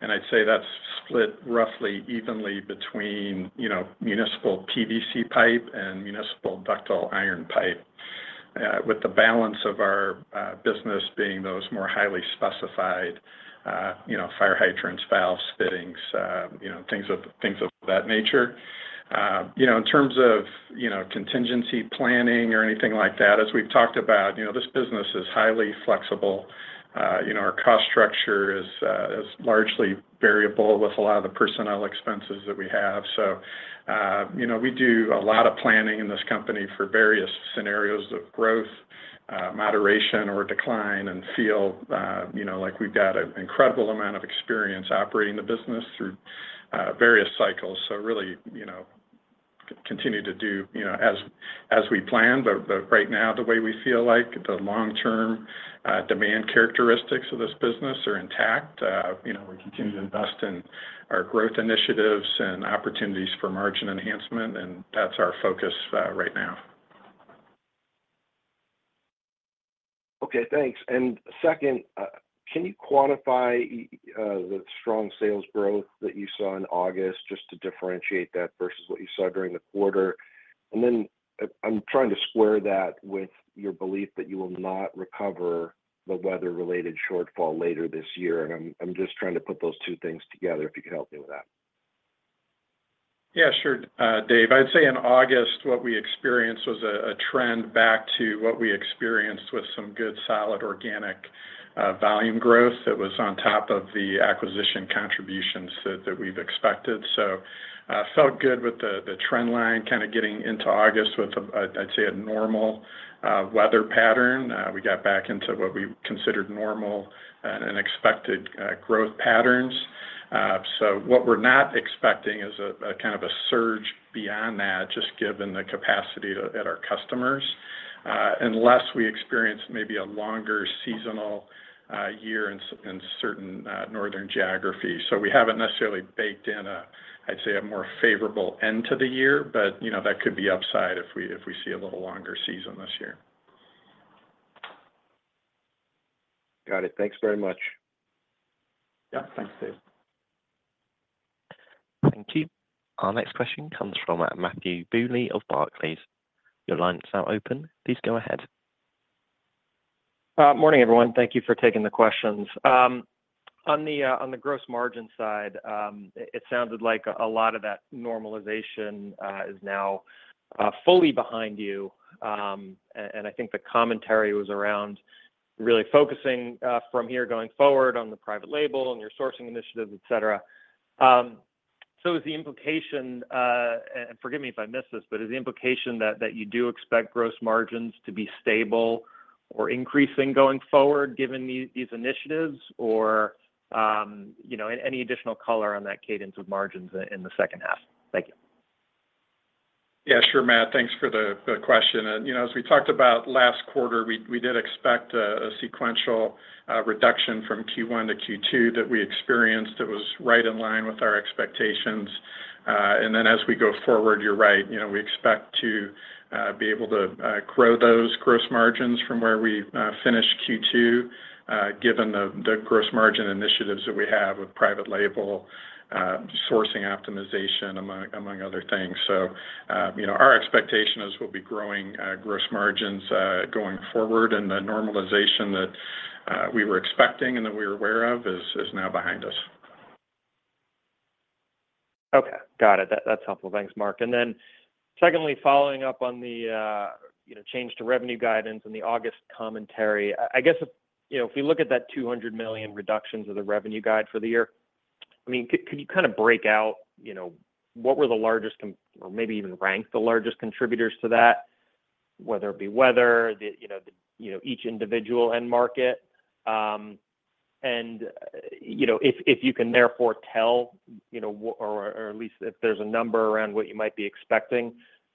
and I'd say that's split roughly evenly between, you know, municipal PVC pipe and municipal ductile iron pipe. With the balance of our business being those more highly specified, you know, fire hydrants, valves, fittings, you know, things of that nature. You know, in terms of, you know, contingency planning or anything like that, as we've talked about, you know, this business is highly flexible. You know, our cost structure is largely variable with a lot of the personnel expenses that we have. So, you know, we do a lot of planning in this company for various scenarios of growth, moderation, or decline, and feel, you know, like we've got an incredible amount of experience operating the business through various cycles. So really, you know, continue to do, you know, as we plan. But right now, the way we feel like the long-term demand characteristics of this business are intact. You know, we continue to invest in our growth initiatives and opportunities for margin enhancement, and that's our focus right now. Okay, thanks. And second, can you quantify the strong sales growth that you saw in August, just to differentiate that versus what you saw during the quarter? And then I'm trying to square that with your belief that you will not recover the weather-related shortfall later this year, and I'm just trying to put those two things together, if you could help me with that. Yeah, sure, Dave. I'd say in August, what we experienced was a trend back to what we experienced with some good, solid, organic volume growth that was on top of the acquisition contributions that we've expected. So, felt good with the trend line kind of getting into August with, I'd say, a normal weather pattern. We got back into what we considered normal and expected growth patterns. So what we're not expecting is a kind of a surge beyond that, just given the capacity at our customers, unless we experience maybe a longer seasonal year in certain northern geographies. So we haven't necessarily baked in a, I'd say, a more favorable end to the year, but, you know, that could be upside if we see a little longer season this year. Got it. Thanks very much. Yeah. Thanks, Dave. Thank you. Our next question comes from Matthew Bouley of Barclays. Your line is now open. Please go ahead. Morning, everyone. Thank you for taking the questions. On the gross margin side, it sounded like a lot of that normalization is now fully behind you. And I think the commentary was around really focusing from here going forward on the private label and your sourcing initiatives, et cetera. So is the implication, and forgive me if I missed this, but is the implication that you do expect gross margins to be stable or increasing going forward, given these initiatives? Or, you know, any additional color on that cadence of margins in the second half? Thank you. Yeah, sure, Matt. Thanks for the question. And, you know, as we talked about last quarter, we did expect a sequential reduction from Q1-Q2 that we experienced. It was right in line with our expectations. And then as we go forward, you're right. You know, we expect to be able to grow those gross margins from where we finished Q2, given the gross margin initiatives that we have with private label, sourcing optimization, among other things. So, you know, our expectation is we'll be growing gross margins going forward, and the normalization that we were expecting and that we're aware of is now behind us. Okay. Got it. That's helpful. Thanks, Mark. And then, secondly, following up on the, you know, change to revenue guidance and the August commentary. I guess, you know, if we look at that $200 million reduction of the revenue guide for the year, I mean, could you kind of break out, you know, what were the largest or maybe even rank the largest contributors to that, whether it be weather, the, you know, the, you know, each individual end market? And, you know, if you can therefore tell, you know, or at least if there's a number around what you might be expecting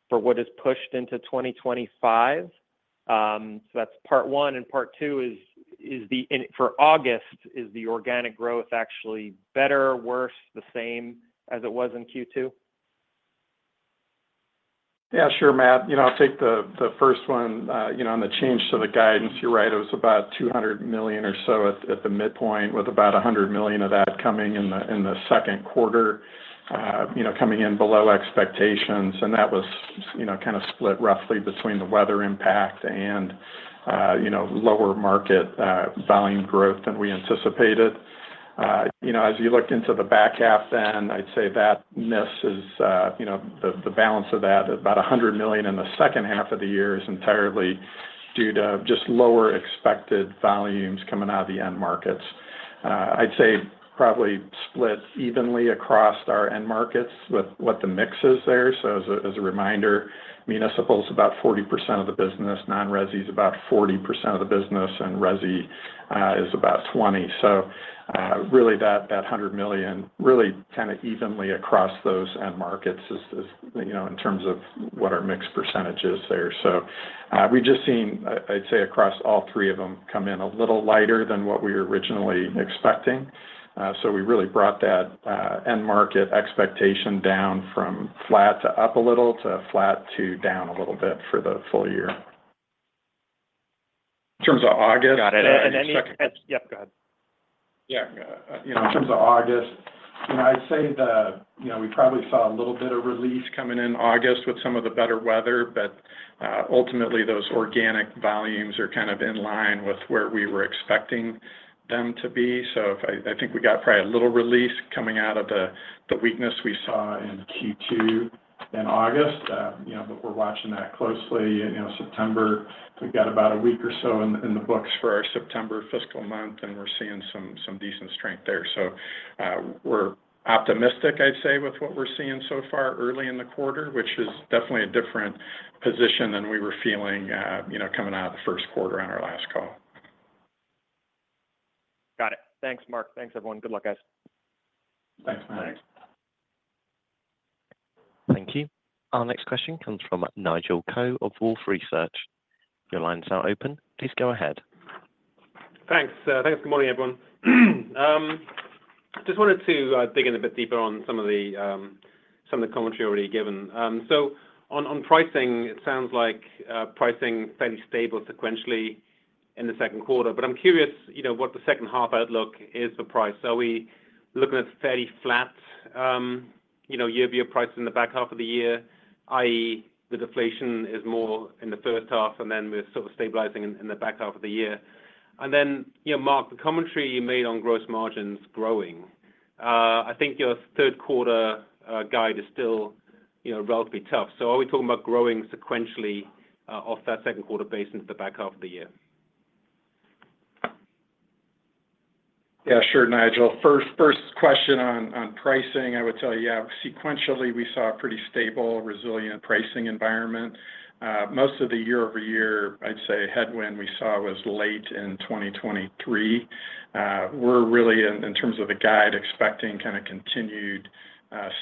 for what is pushed into 2025. So that's part one, and part two is the. And for August, is the organic growth actually better or worse, the same as it was in Q2? Yeah, sure, Matt. You know, I'll take the first one. You know, on the change to the guidance, you're right, it was about $200 million or so at the midpoint, with about $100 million of that coming in the second quarter, you know, coming in below expectations. And that was, you know, kind of split roughly between the weather impact and, you know, lower market volume growth than we anticipated. You know, as you looked into the back half, then I'd say that miss is, you know, the balance of that, about $100 million in the second half of the year is entirely due to just lower expected volumes coming out of the end markets. I'd say probably split evenly across our end markets with what the mix is there. So as a reminder, municipal is about 40% of the business, non-resi is about 40% of the business, and resi is about 20%. So really, that $100 million really kind of evenly across those end markets is, you know, in terms of what our mix percentage is there. So we've just seen, I'd say, across all three of them, come in a little lighter than what we were originally expecting. So we really brought that end market expectation down from flat to up a little, to flat to down a little bit for the full year. In terms of August- Got it. And any-- Yep, go ahead. Yeah. You know, in terms of August, and I'd say that, you know, we probably saw a little bit of relief coming in August with some of the better weather, but ultimately, those organic volumes are kind of in line with where we were expecting them to be. So I think we got probably a little relief coming out of the weakness we saw in Q2 in August. But we're watching that closely. You know, September, we've got about a week or so in the books for our September fiscal month, and we're seeing some decent strength there. So we're optimistic, I'd say, with what we're seeing so far early in the quarter, which is definitely a different position than we were feeling, you know, coming out of the first quarter on our last call. Got it. Thanks, Mark. Thanks, everyone. Good luck, guys. Thanks, Matt. Thank you. Our next question comes from Nigel Coe of Wolfe Research. Your line is now open. Please go ahead. Thanks. Good morning, everyone. Just wanted to dig in a bit deeper on some of the commentary already given. So on pricing, it sounds like pricing fairly stable sequentially in the second quarter. But I'm curious, you know, what the second half outlook is for price. Are we looking at fairly flat, you know, year-over-year pricing in the back half of the year, i.e., the deflation is more in the first half, and then we're sort of stabilizing in the back half of the year? And then, you know, Mark, the commentary you made on gross margins growing. I think your third quarter guide is still, you know, relatively tough. So are we talking about growing sequentially off that second quarter base into the back half of the year? Yeah, sure, Nigel. First question on pricing, I would tell you, yeah, sequentially, we saw a pretty stable, resilient pricing environment. Most of the year-over-year, I'd say, headwind we saw was late in 2023. We're really in terms of the guide, expecting kind of continued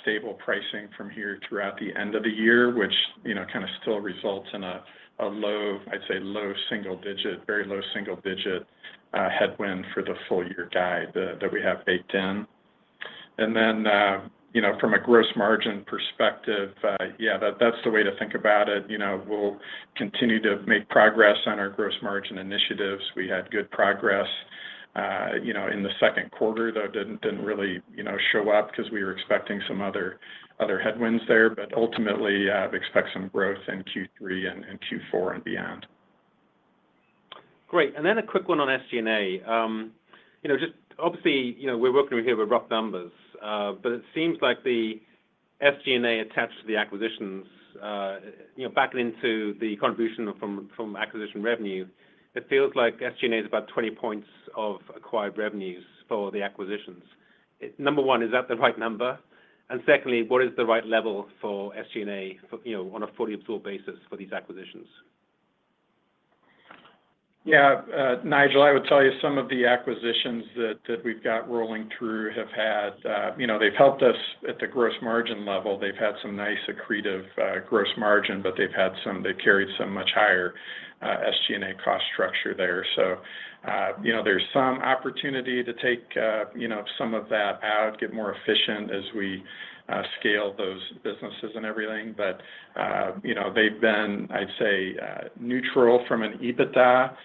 stable pricing from here throughout the end of the year, which, you know, kind of still results in a low, I'd say, low single digit, very low single digit headwind for the full year guide that we have baked in. And then, you know, from a gross margin perspective, yeah, that's the way to think about it. You know, we'll continue to make progress on our gross margin initiatives. We had good progress, you know, in the second quarter, though it didn't really, you know, show up because we were expecting some other headwinds there. But ultimately, we expect some growth in Q3 and Q4 and beyond. Great. And then a quick one on SG&A. You know, just obviously, you know, we're working with here with rough numbers, but it seems like the SG&A attached to the acquisitions, you know, backed into the contribution from acquisition revenue, it feels like SG&A is about 20 points of acquired revenues for the acquisitions. Number one, is that the right number? And secondly, what is the right level for SG&A for, you know, on a fully absorbed basis for these acquisitions? Yeah, Nigel, I would tell you some of the acquisitions that we've got rolling through have had, you know, they've helped us at the gross margin level. They've had some nice accretive, gross margin, but they've carried some much higher, SG&A cost structure there. So, you know, there's some opportunity to take, you know, some of that out, get more efficient as we scale those businesses and everything. But, you know, they've been, I'd say, neutral from an EBITDA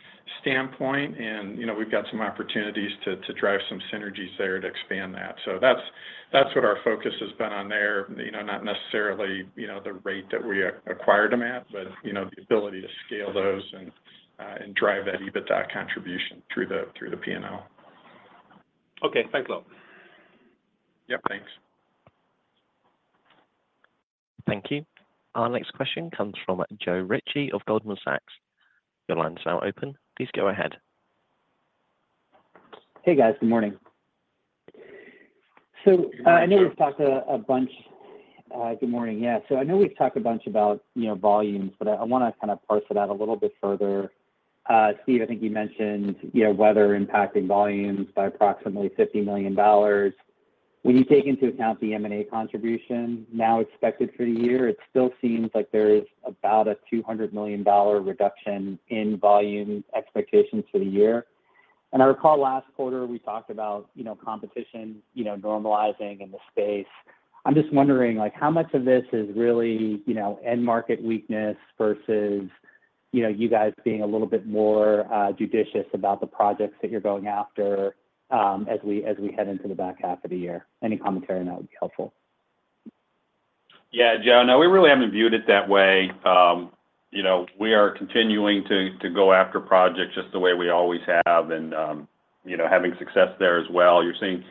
standpoint, and, you know, we've got some opportunities to drive some synergies there to expand that. So that's what our focus has been on there. You know, not necessarily, you know, the rate that we acquired them at, but, you know, the ability to scale those and drive that EBITDA contribution through the P&L. Okay. Thanks a lot. Yep, thanks. Thank you. Our next question comes from Joe Ritchie of Goldman Sachs. Your line is now open. Please go ahead. Hey, guys. Good morning. So, Good morning, Joe. I know we've talked a bunch. Good morning. Yeah, so I know we've talked a bunch about, you know, volumes, but I wanna kind of parse it out a little bit further. Steve, I think you mentioned, you know, weather impacting volumes by approximately $50 million. When you take into account the M&A contribution now expected for the year, it still seems like there is about a $200 million reduction in volume expectations for the year. And I recall last quarter, we talked about, you know, competition, you know, normalizing in the space. I'm just wondering, like, how much of this is really, you know, end market weakness versus, you know, you guys being a little bit more judicious about the projects that you're going after, as we head into the back half of the year? Any commentary on that would be helpful. Yeah, Joe. No, we really haven't viewed it that way. You know, we are continuing to go after projects just the way we always have and, you know, having success there as well. You're seeing...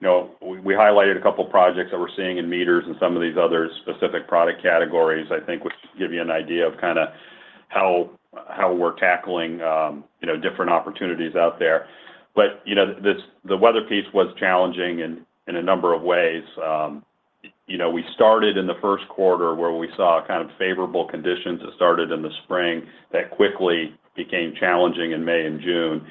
You know, we highlighted a couple projects that we're seeing in meters and some of these other specific product categories, I think, which give you an idea of kind of how we're tackling, you know, different opportunities out there. But, you know, this - the weather piece was challenging in a number of ways. You know, we started in the first quarter where we saw kind of favorable conditions that started in the spring, that quickly became challenging in May and June.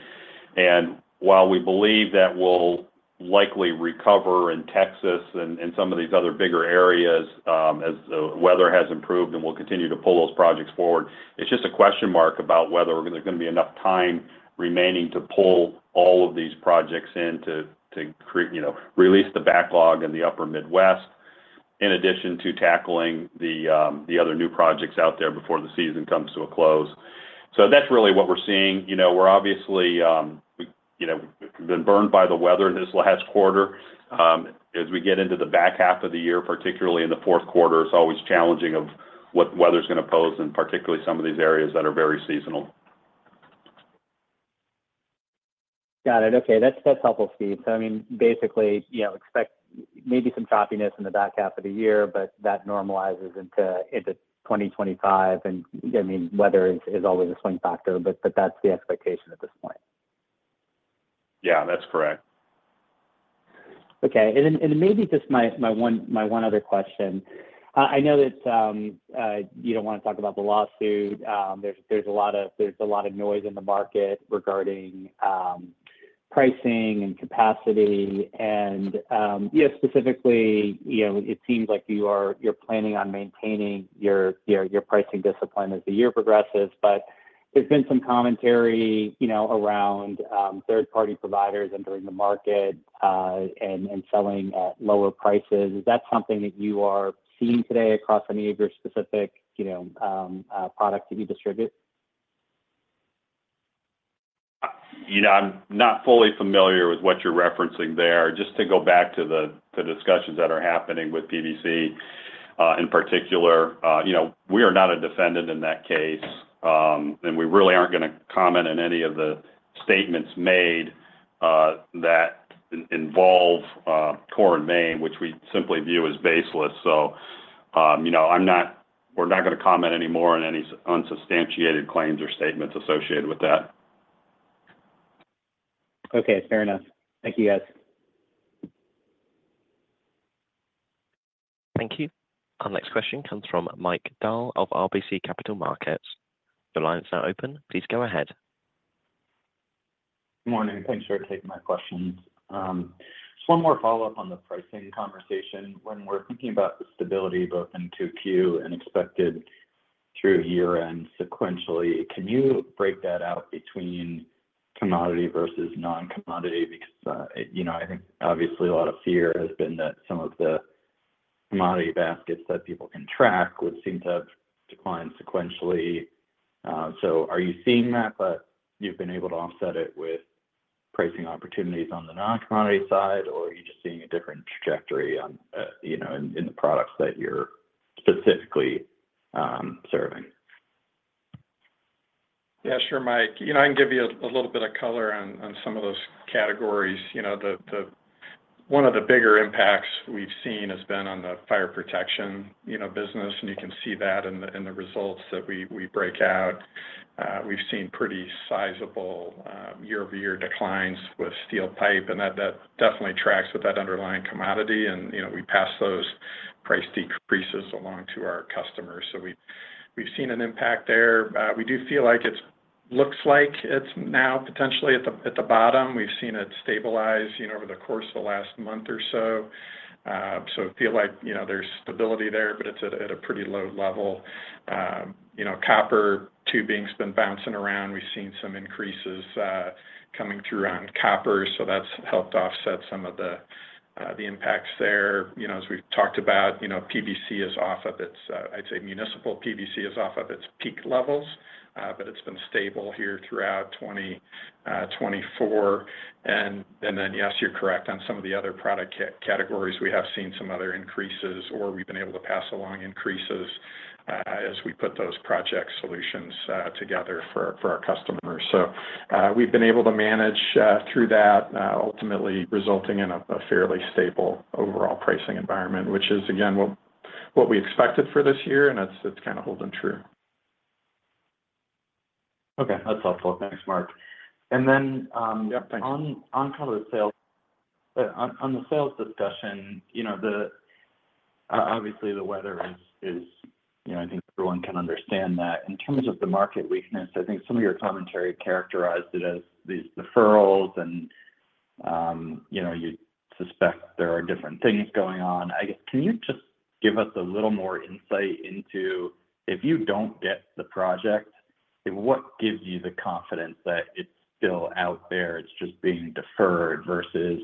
While we believe that we'll likely recover in Texas and some of these other bigger areas, as the weather has improved, and we'll continue to pull those projects forward, it's just a question mark about whether there's gonna be enough time remaining to pull all of these projects in to create, you know, release the backlog in the upper Midwest, in addition to tackling the other new projects out there before the season comes to a close. So that's really what we're seeing. You know, we're obviously, you know, we've been burned by the weather this last quarter. As we get into the back half of the year, particularly in the fourth quarter, it's always challenging of what weather's gonna pose, and particularly some of these areas that are very seasonal. Got it. Okay, that's helpful, Steve. So I mean, basically, you know, expect maybe some choppiness in the back half of the year, but that normalizes into 2025. I mean, weather is always a swing factor, but that's the expectation at this point. Yeah, that's correct. Okay. Then maybe just my one other question. I know that you don't wanna talk about the lawsuit. There's a lot of noise in the market regarding pricing and capacity and yeah, specifically, you know, it seems like you are planning on maintaining your pricing discipline as the year progresses. But there's been some commentary, you know, around third-party providers entering the market and selling at lower prices. Is that something that you are seeing today across any of your specific, you know, products that you distribute? You know, I'm not fully familiar with what you're referencing there. Just to go back to the discussions that are happening with PVC, in particular, you know, we are not a defendant in that case, and we really aren't gonna comment on any of the statements made that involve Core & Main, which we simply view as baseless. So, you know, I'm not-- we're not gonna comment any more on any unsubstantiated claims or statements associated with that. Okay, fair enough. Thank you, guys. Thank you. Our next question comes from Mike Dahl of RBC Capital Markets. Your line is now open. Please go ahead. Good morning. Thanks for taking my questions. Just one more follow-up on the pricing conversation. When we're thinking about the stability both in 2Q and expected through year-end sequentially, can you break that out between commodity versus non-commodity? Because, you know, I think obviously a lot of fear has been that some of the commodity baskets that people can track would seem to have declined sequentially. So are you seeing that, but you've been able to offset it with pricing opportunities on the non-commodity side? Or are you just seeing a different trajectory on, you know, in the products that you're specifically serving? Yeah, sure, Mike. You know, I can give you a little bit of color on some of those categories. You know, one of the bigger impacts we've seen has been on the fire protection, you know, business, and you can see that in the results that we break out. We've seen pretty sizable-- year-over-year declines with steel pipe, and that definitely tracks with that underlying commodity. You know, we pass those price decreases along to our customers. So we, we've seen an impact there. We do feel like it looks like it's now potentially at the bottom. We've seen it stabilize, you know, over the course of the last month or so. So feel like, you know, there's stability there, but it's at a pretty low level. You know, copper tubing's been bouncing around. We've seen some increases coming through on copper, so that's helped offset some of the impacts there. You know, as we've talked about, you know, PVC is off of its. I'd say municipal PVC is off of its peak levels, but it's been stable here throughout 2024. Yes, you're correct. On some of the other product categories, we have seen some other increases, or we've been able to pass along increases, as we put those project solutions together for our customers. So, we've been able to manage through that, ultimately resulting in a fairly stable overall pricing environment, which is, again, what we expected for this year, and it's kind of holding true. Okay. That's helpful. Thanks, Mark. And then-- Yep, thanks... on top of the sales, on the sales discussion, you know, obviously, the weather is, you know, I think everyone can understand that. In terms of the market weakness, I think some of your commentary characterized it as these deferrals and, you know, you suspect there are different things going on. I guess, can you just give us a little more insight into, if you don't get the project, what gives you the confidence that it's still out there, it's just being deferred, versus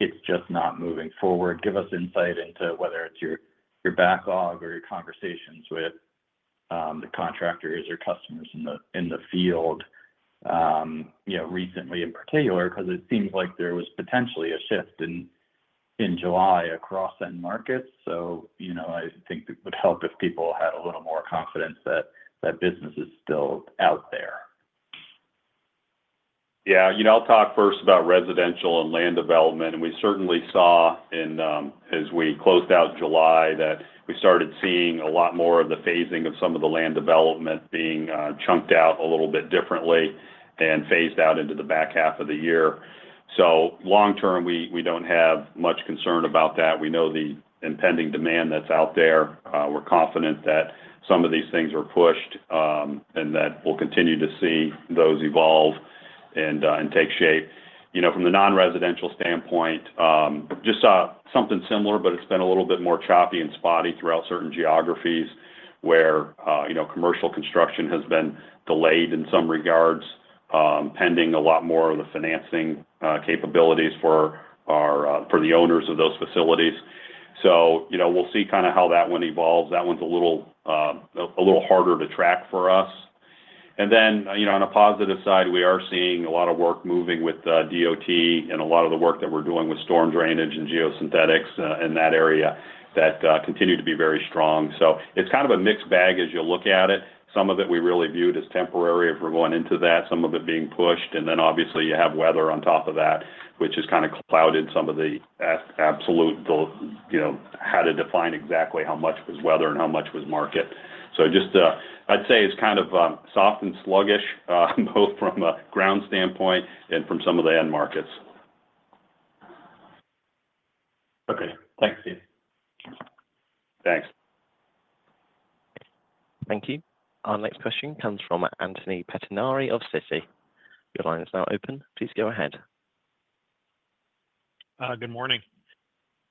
it's just not moving forward? Give us insight into whether it's your backlog or your conversations with, the contractors or customers in the field, you know, recently in particular, 'cause it seems like there was potentially a shift in July across end markets. So, you know, I think it would help if people had a little more confidence that business is still out there. Yeah. You know, I'll talk first about residential and land development, and we certainly saw in as we closed out July, that we started seeing a lot more of the phasing of some of the land development being chunked out a little bit differently and phased out into the back half of the year. So long term, we don't have much concern about that. We know the impending demand that's out there. We're confident that some of these things are pushed, and that we'll continue to see those evolve and take shape. You know, from the non-residential standpoint, just, something similar, but it's been a little bit more choppy and spotty throughout certain geographies, where, you know, commercial construction has been delayed in some regards, pending a lot more of the financing, capabilities for our, for the owners of those facilities. So, you know, we'll see kinda how that one evolves. That one's a little harder to track for us. And then, you know, on a positive side, we are seeing a lot of work moving with the DOT and a lot of the work that we're doing with storm drainage and geosynthetics, in that area, continue to be very strong. So it's kind of a mixed bag as you look at it. Some of it we really viewed as temporary, if we're going into that, some of it being pushed, and then obviously, you have weather on top of that, which has kinda clouded some of the absolute, you know, how to define exactly how much was weather and how much was market. So just, I'd say it's kind of, soft and sluggish, both from a ground standpoint and from some of the end markets. Okay. Thanks, Steve. Thanks. Thank you. Our next question comes from Anthony Pettinari of Citi. Your line is now open, please go ahead. Good morning.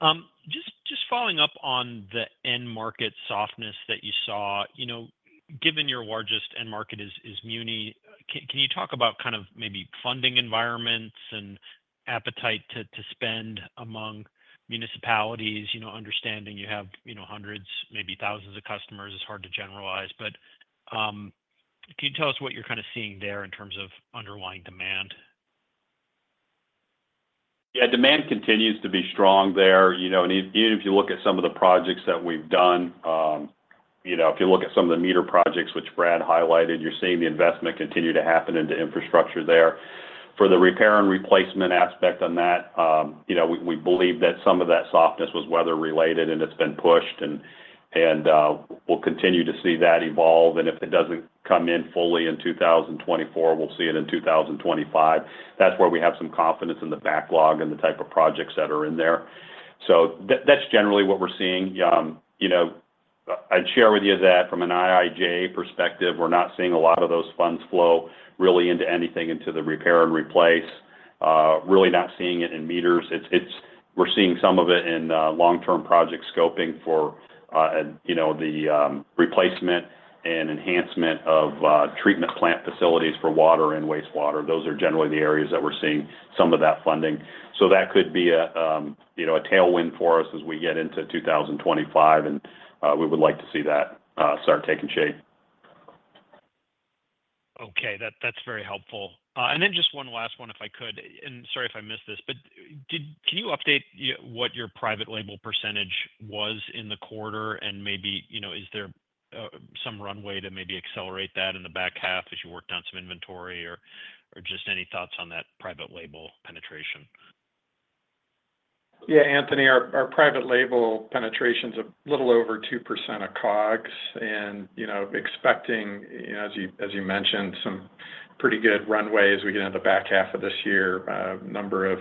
Just following up on the end market softness that you saw. You know, given your largest end market is muni, can you talk about kind of maybe funding environments and appetite to spend among municipalities? You know, understanding you have, you know, hundreds, maybe thousands of customers, it's hard to generalize, but can you tell us what you're kinda seeing there in terms of underlying demand? Yeah, demand continues to be strong there, you know, and even if you look at some of the projects that we've done, you know, if you look at some of the meter projects which Brad highlighted, you're seeing the investment continue to happen into infrastructure there. For the repair and replacement aspect on that, you know, we believe that some of that softness was weather-related, and it's been pushed, and we'll continue to see that evolve. And if it doesn't come in fully in 2024, we'll see it in 2025. That's where we have some confidence in the backlog and the type of projects that are in there. So that's generally what we're seeing. You know, I'd share with you that from an IIJA perspective, we're not seeing a lot of those funds flow really into anything, into the repair and replace. Really not seeing it in meters. It's we're seeing some of it in long-term project scoping for you know the replacement and enhancement of treatment plant facilities for water and wastewater. Those are generally the areas that we're seeing some of that funding. So that could be a you know a tailwind for us as we get into 2025, and we would like to see that start taking shape. Okay. That's very helpful. And then just one-last-one, if I could, and sorry if I missed this, but can you update what your private label percentage was in the quarter? And maybe, you know, is there some runway to maybe accelerate that in the back half as you worked on some inventory, or just any thoughts on that private label penetration? Yeah, Anthony, our private label penetration's a little over 2% of COGS, and, you know, expecting, as you mentioned, some pretty good runway as we get into the back half of this year. A number of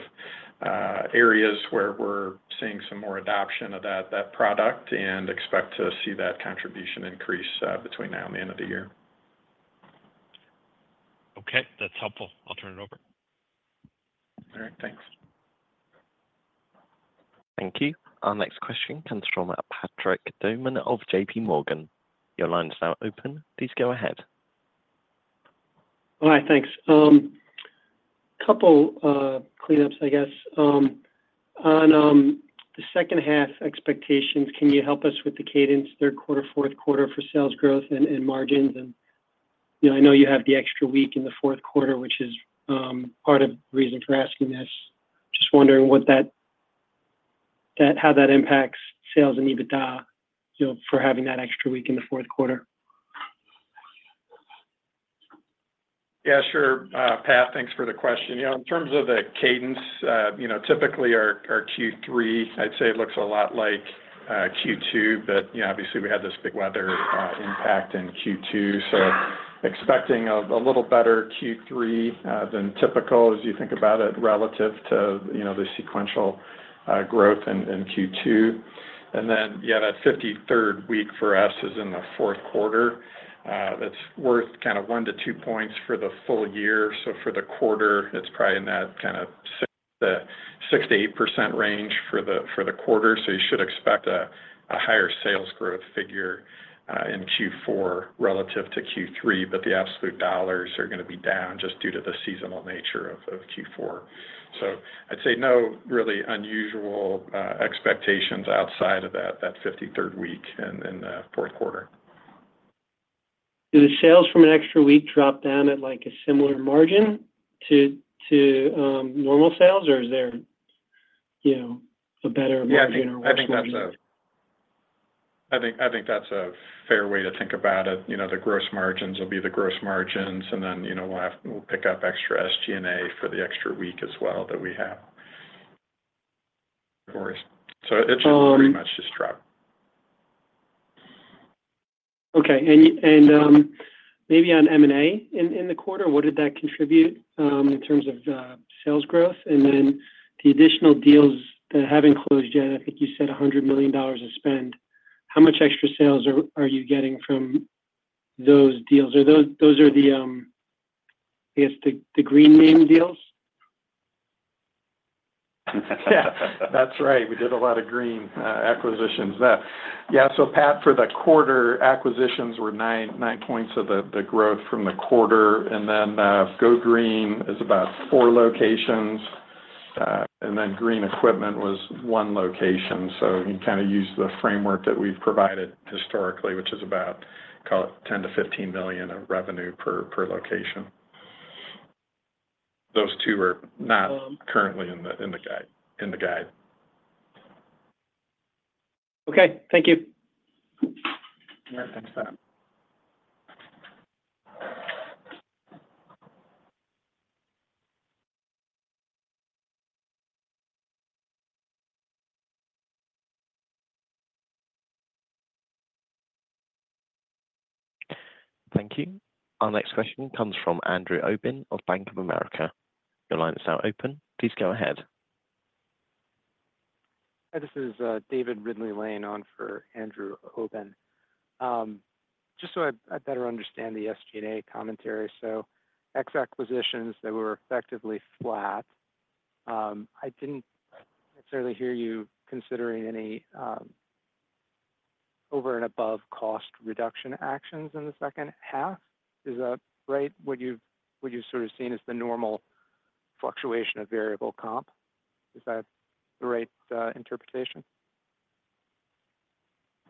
areas where we're seeing some more adoption of that product, and expect to see that contribution increase, between now and the end of the year. Okay, that's helpful. I'll turn it over. All right, thanks. Thank you. Our next question comes from Patrick Baumann of J.P. Morgan. Your line is now open. Please go ahead. All right, thanks. Couple cleanups, I guess. On the second half expectations, can you help us with the cadence, third quarter, fourth quarter for sales growth and margins? You know, I know you have the extra week in the fourth quarter, which is part of the reason for asking this. Just wondering what that, how that impacts sales and EBITDA, you know, for having that extra week in the fourth quarter. Yeah, sure, Pat, thanks for the question. You know, in terms of the cadence, you know, typically our Q3, I'd say it looks a lot like Q2, but, you know, obviously we had this big weather impact in Q2, so expecting a little better Q3 than typical as you think about it, relative to, you know, the sequential growth in Q2. And then, yeah, that 53rd week for us is in the fourth quarter. That's worth kind of one to two points for the full year. So for the quarter, it's probably in that kind of 6%-8% range for the quarter. So you should expect a higher sales growth figure in Q4 relative to Q3, but the absolute dollars are gonna be down just due to the seasonal nature of Q4. So I'd say no really unusual expectations outside of that 53rd week in the fourth quarter. Do the sales from an extra week drop down at, like, a similar margin to normal sales? Or is there, you know, a better margin or- Yeah, I think that's a fair way to think about it. You know, the gross margins will be the gross margins, and then, you know, we'll pick up extra SG&A for the extra week as well that we have. Of course. It should pretty much just drop. Okay. And maybe on M&A in the quarter, what did that contribute in terms of sales growth? And then the additional deals that haven't closed yet, I think you said $100 million of spend. How much extra sales are you getting from those deals? Are those. Those are the, I guess, the GroGreen deals? Yeah, that's right. We did a lot of green acquisitions there. Yeah, so Pat, for the quarter, acquisitions were nine points of the growth from the quarter, and then, GroGreen is about four locations, and then Green Equipment was one location. So you kinda use the framework that we've provided historically, which is about $10 million-$15 million of revenue per location. Those two are not currently in the guide. Okay, thank you. All right, thanks, Pat. Thank you. Our next question comes from Andrew Obin of Bank of America. Your line is now open. Please go ahead. Hi, this is David Ridley-Lane calling in for Andrew Obin. Just so I better understand the SG&A commentary, so ex acquisitions that were effectively flat, I didn't necessarily hear you considering any over and above cost reduction actions in the second half. Is that right? What you've sort of seen as the normal fluctuation of variable comp? Is that the right interpretation?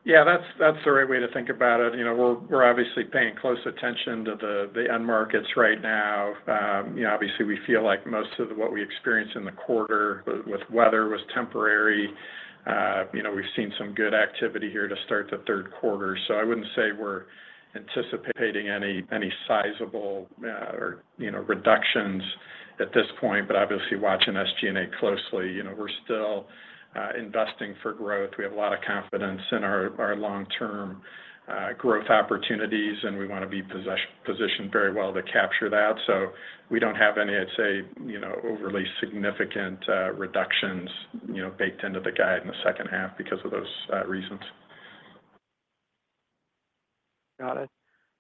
Yeah, that's, that's the right way to think about it. You know, we're, we're obviously paying close attention to the end markets right now. You know, obviously, we feel like most of what we experienced in the quarter with weather was temporary. You know, we've seen some good activity here to start the third quarter. So I wouldn't say we're anticipating any sizable or, you know, reductions at this point, but obviously watching SG&A closely. You know, we're still investing for growth. We have a lot of confidence in our, our long-term growth opportunities, and we want to be positioned very well to capture that. So we don't have any, I'd say, you know, overly significant reductions, you know, baked into the guide in the second half because of those reasons. Got it.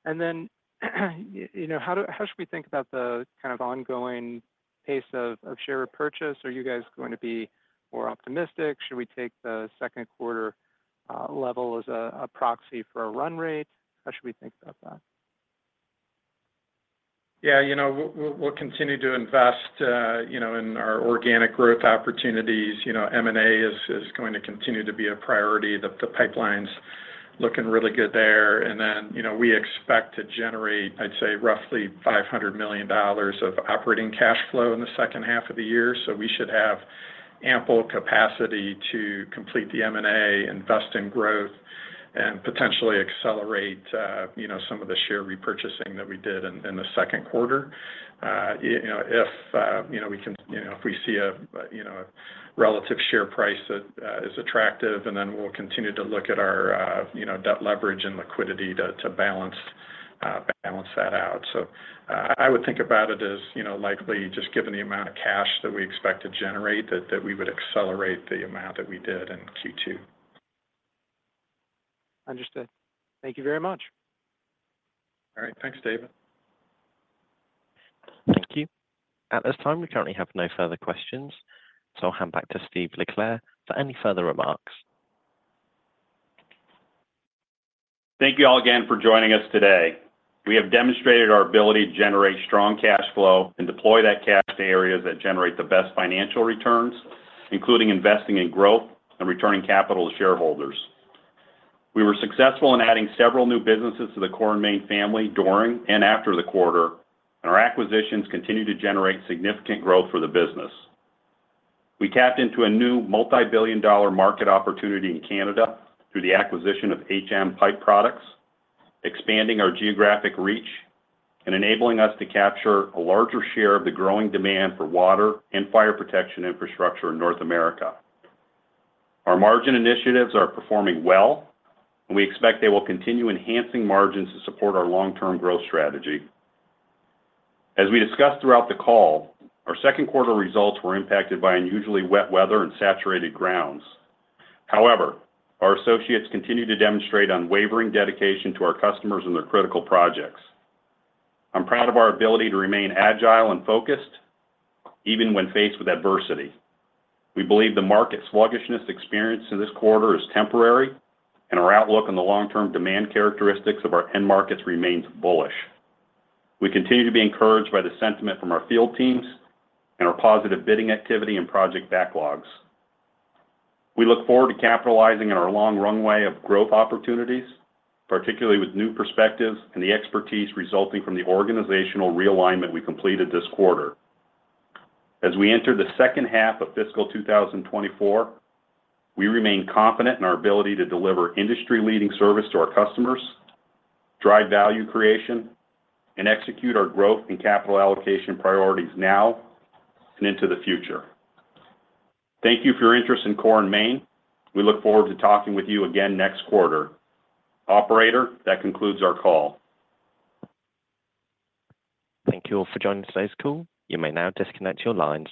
And then, you know, how should we think about the kind of ongoing pace of share purchase? Are you guys going to be more optimistic? Should we take the second quarter level as a proxy for a run rate? How should we think about that? Yeah, you know, we'll continue to invest, you know, in our organic growth opportunities. You know, M&A is going to continue to be a priority. The pipeline's looking really good there. And then, you know, we expect to generate, I'd say, roughly $500 million of operating cash flow in the second half of the year. So we should have ample capacity to complete the M&A, invest in growth, and potentially accelerate, you know, some of the share repurchasing that we did in the second quarter. You know, if we can, you know, if we see a, you know, a relative share price that is attractive, and then we'll continue to look at our, you know, debt leverage and liquidity to balance that out. So I would think about it as, you know, likely just given the amount of cash that we expect to generate, that we would accelerate the amount that we did in Q2. Understood. Thank you very much. All right. Thanks, David. Thank you. At this time, we currently have no further questions, so I'll hand back to Steve LeClair for any further remarks. Thank you all again for joining us today. We have demonstrated our ability to generate strong cash flow and deploy that cash to areas that generate the best financial returns, including investing in growth and returning capital to shareholders. We were successful in adding several new businesses to the Core & Main family during and after the quarter, and our acquisitions continue to generate significant growth for the business. We tapped into a new multi-billion-dollar market opportunity in Canada through the acquisition of HM Pipe Products, expanding our geographic reach and enabling us to capture a larger share of the growing demand for water and fire protection infrastructure in North America. Our margin initiatives are performing well, and we expect they will continue enhancing margins to support our long-term growth strategy. As we discussed throughout the call, our second quarter results were impacted by unusually wet weather and saturated grounds. However, our associates continue to demonstrate unwavering dedication to our customers and their critical projects. I'm proud of our ability to remain agile and focused, even when faced with adversity. We believe the market sluggishness experienced in this quarter is temporary, and our outlook on the long-term demand characteristics of our end markets remains bullish. We continue to be encouraged by the sentiment from our field teams and our positive bidding activity and project backlogs. We look forward to capitalizing on our long runway of growth opportunities, particularly with new perspectives and the expertise resulting from the organizational realignment we completed this quarter. As we enter the second half of fiscal 2024, we remain confident in our ability to deliver industry-leading service to our customers, drive value creation, and execute our growth and capital allocation priorities now and into the future. Thank you for your interest in Core & Main. We look forward to talking with you again next quarter. Operator, that concludes our call. Thank you all for joining today's call. You may now disconnect your lines.